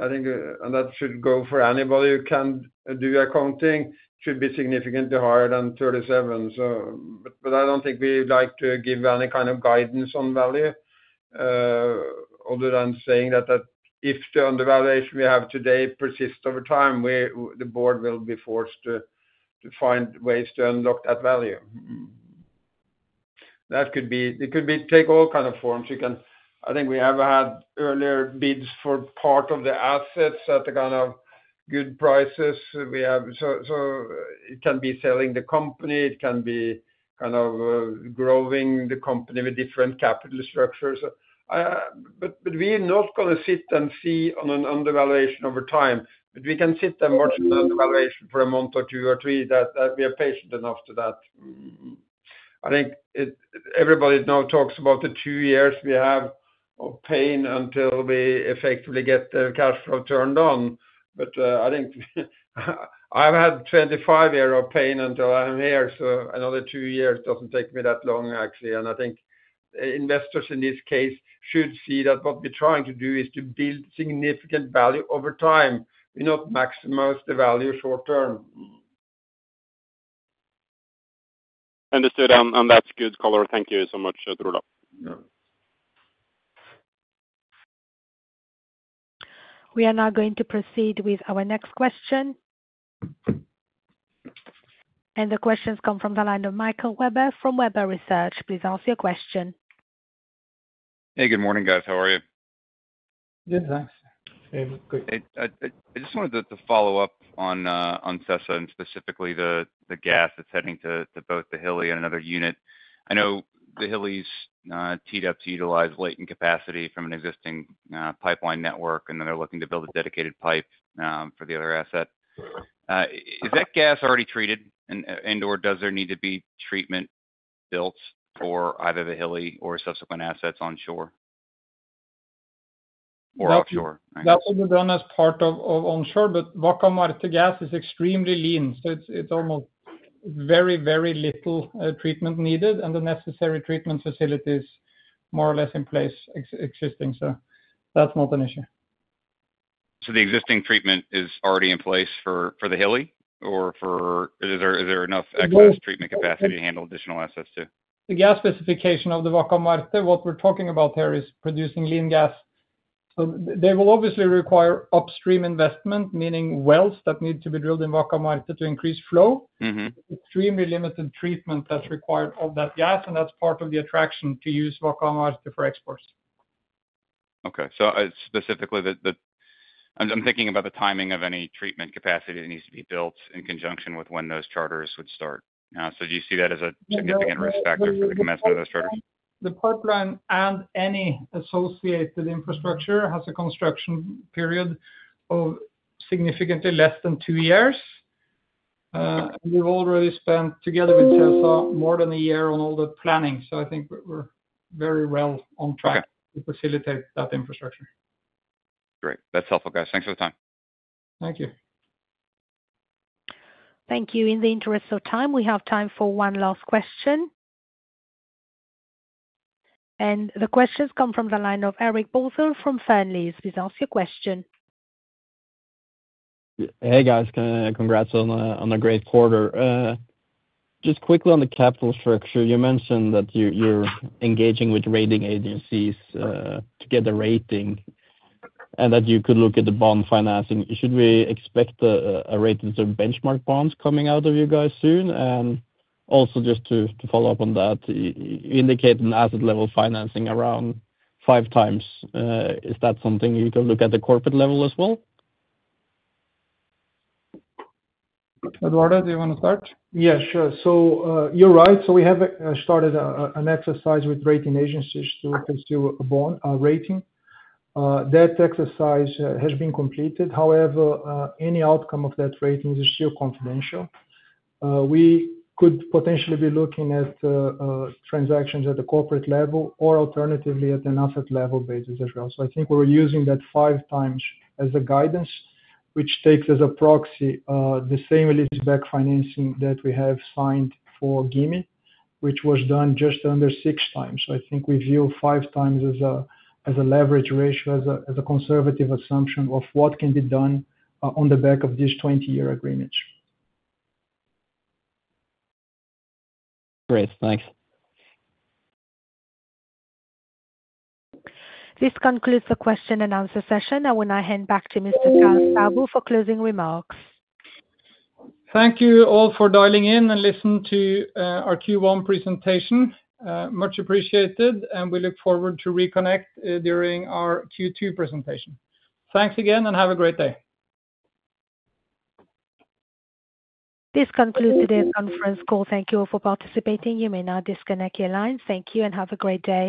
I think, and that should go for anybody who can do accounting, should be significantly higher than 37. I don't think we like to give any kind of guidance on value other than saying that if the undervaluation we have today persists over time, the board will be forced to find ways to unlock that value. That could take all kinds of forms. I think we have had earlier bids for part of the assets at the kind of good prices. It can be selling the company. It can be kind of growing the company with different capital structures. We're not going to sit and see on an undervaluation over time. We can sit and watch an undervaluation for a month or two or three. We are patient enough to do that. I think everybody now talks about the two years we have of pain until we effectively get the cash flow turned on. I think I've had 25 years of pain until I'm here. Another two years doesn't take me that long, actually. I think investors in this case should see that what we're trying to do is to build significant value over time. We're not maximizing the value short term. Understood. And that's good, Golar. Thank you so much, Trudo. We are now going to proceed with our next question. The questions come from the line of Michael Weber from Weber Research. Please ask your question. Hey, good morning, guys. How are you? Good, thanks. I just wanted to follow up on CESA and specifically the gas that's heading to both the Hilli and another unit. I know the Hilli's TDEPs utilize latent capacity from an existing pipeline network, and then they're looking to build a dedicated pipe for the other asset. Is that gas already treated, and/or does there need to be treatment built for either the Hilli or subsequent assets onshore or offshore? That would have been done as part of onshore. Wakamare to gas is extremely lean. It is almost very, very little treatment needed. The necessary treatment facility is more or less in place existing. That is not an issue. The existing treatment is already in place for the Hilli? Or is there enough excess treatment capacity to handle additional assets too? The gas specification of the Vaca Muerta, what we're talking about here is producing lean gas. They will obviously require upstream investment, meaning wells that need to be drilled in Vaca Muerta to increase flow. Extremely limited treatment that's required of that gas. That's part of the attraction to use Vaca Muerta for exports. Okay. Specifically, I'm thinking about the timing of any treatment capacity that needs to be built in conjunction with when those charters would start. Do you see that as a significant risk factor for the commitment of those charters? The pipeline and any associated infrastructure has a construction period of significantly less than two years. We've already spent together with CESA more than a year on all the planning. I think we're very well on track to facilitate that infrastructure. Great. That's helpful, guys. Thanks for the time. Thank you. Thank you. In the interest of time, we have time for one last question. The questions come from the line of Eric Bozel from Fernley. Please ask your question. Hey, guys. Congrats on a great quarter. Just quickly on the capital structure, you mentioned that you're engaging with rating agencies to get the rating and that you could look at the bond financing. Should we expect a rate of the benchmark bonds coming out of you guys soon? Also, just to follow up on that, you indicated asset-level financing around 5 times. Is that something you could look at the corporate level as well? Eduardo, do you want to start? Yeah, sure. You're right. We have started an exercise with rating agencies to pursue a rating. That exercise has been completed. However, any outcome of that rating is still confidential. We could potentially be looking at transactions at the corporate level or alternatively at an asset-level basis as well. I think we're using that five times as a guidance, which takes as a proxy the same leaseback financing that we have signed for Gimi, which was done just under six times. I think we view five times as a leverage ratio, as a conservative assumption of what can be done on the back of these 20-year agreements. Great. Thanks. This concludes the question and answer session. I will now hand back to Mr. Staubo for closing remarks. Thank you all for dialing in and listening to our Q1 presentation. Much appreciated. We look forward to reconnect during our Q2 presentation. Thanks again and have a great day. This concludes today's conference call. Thank you all for participating. You may now disconnect your lines. Thank you and have a great day.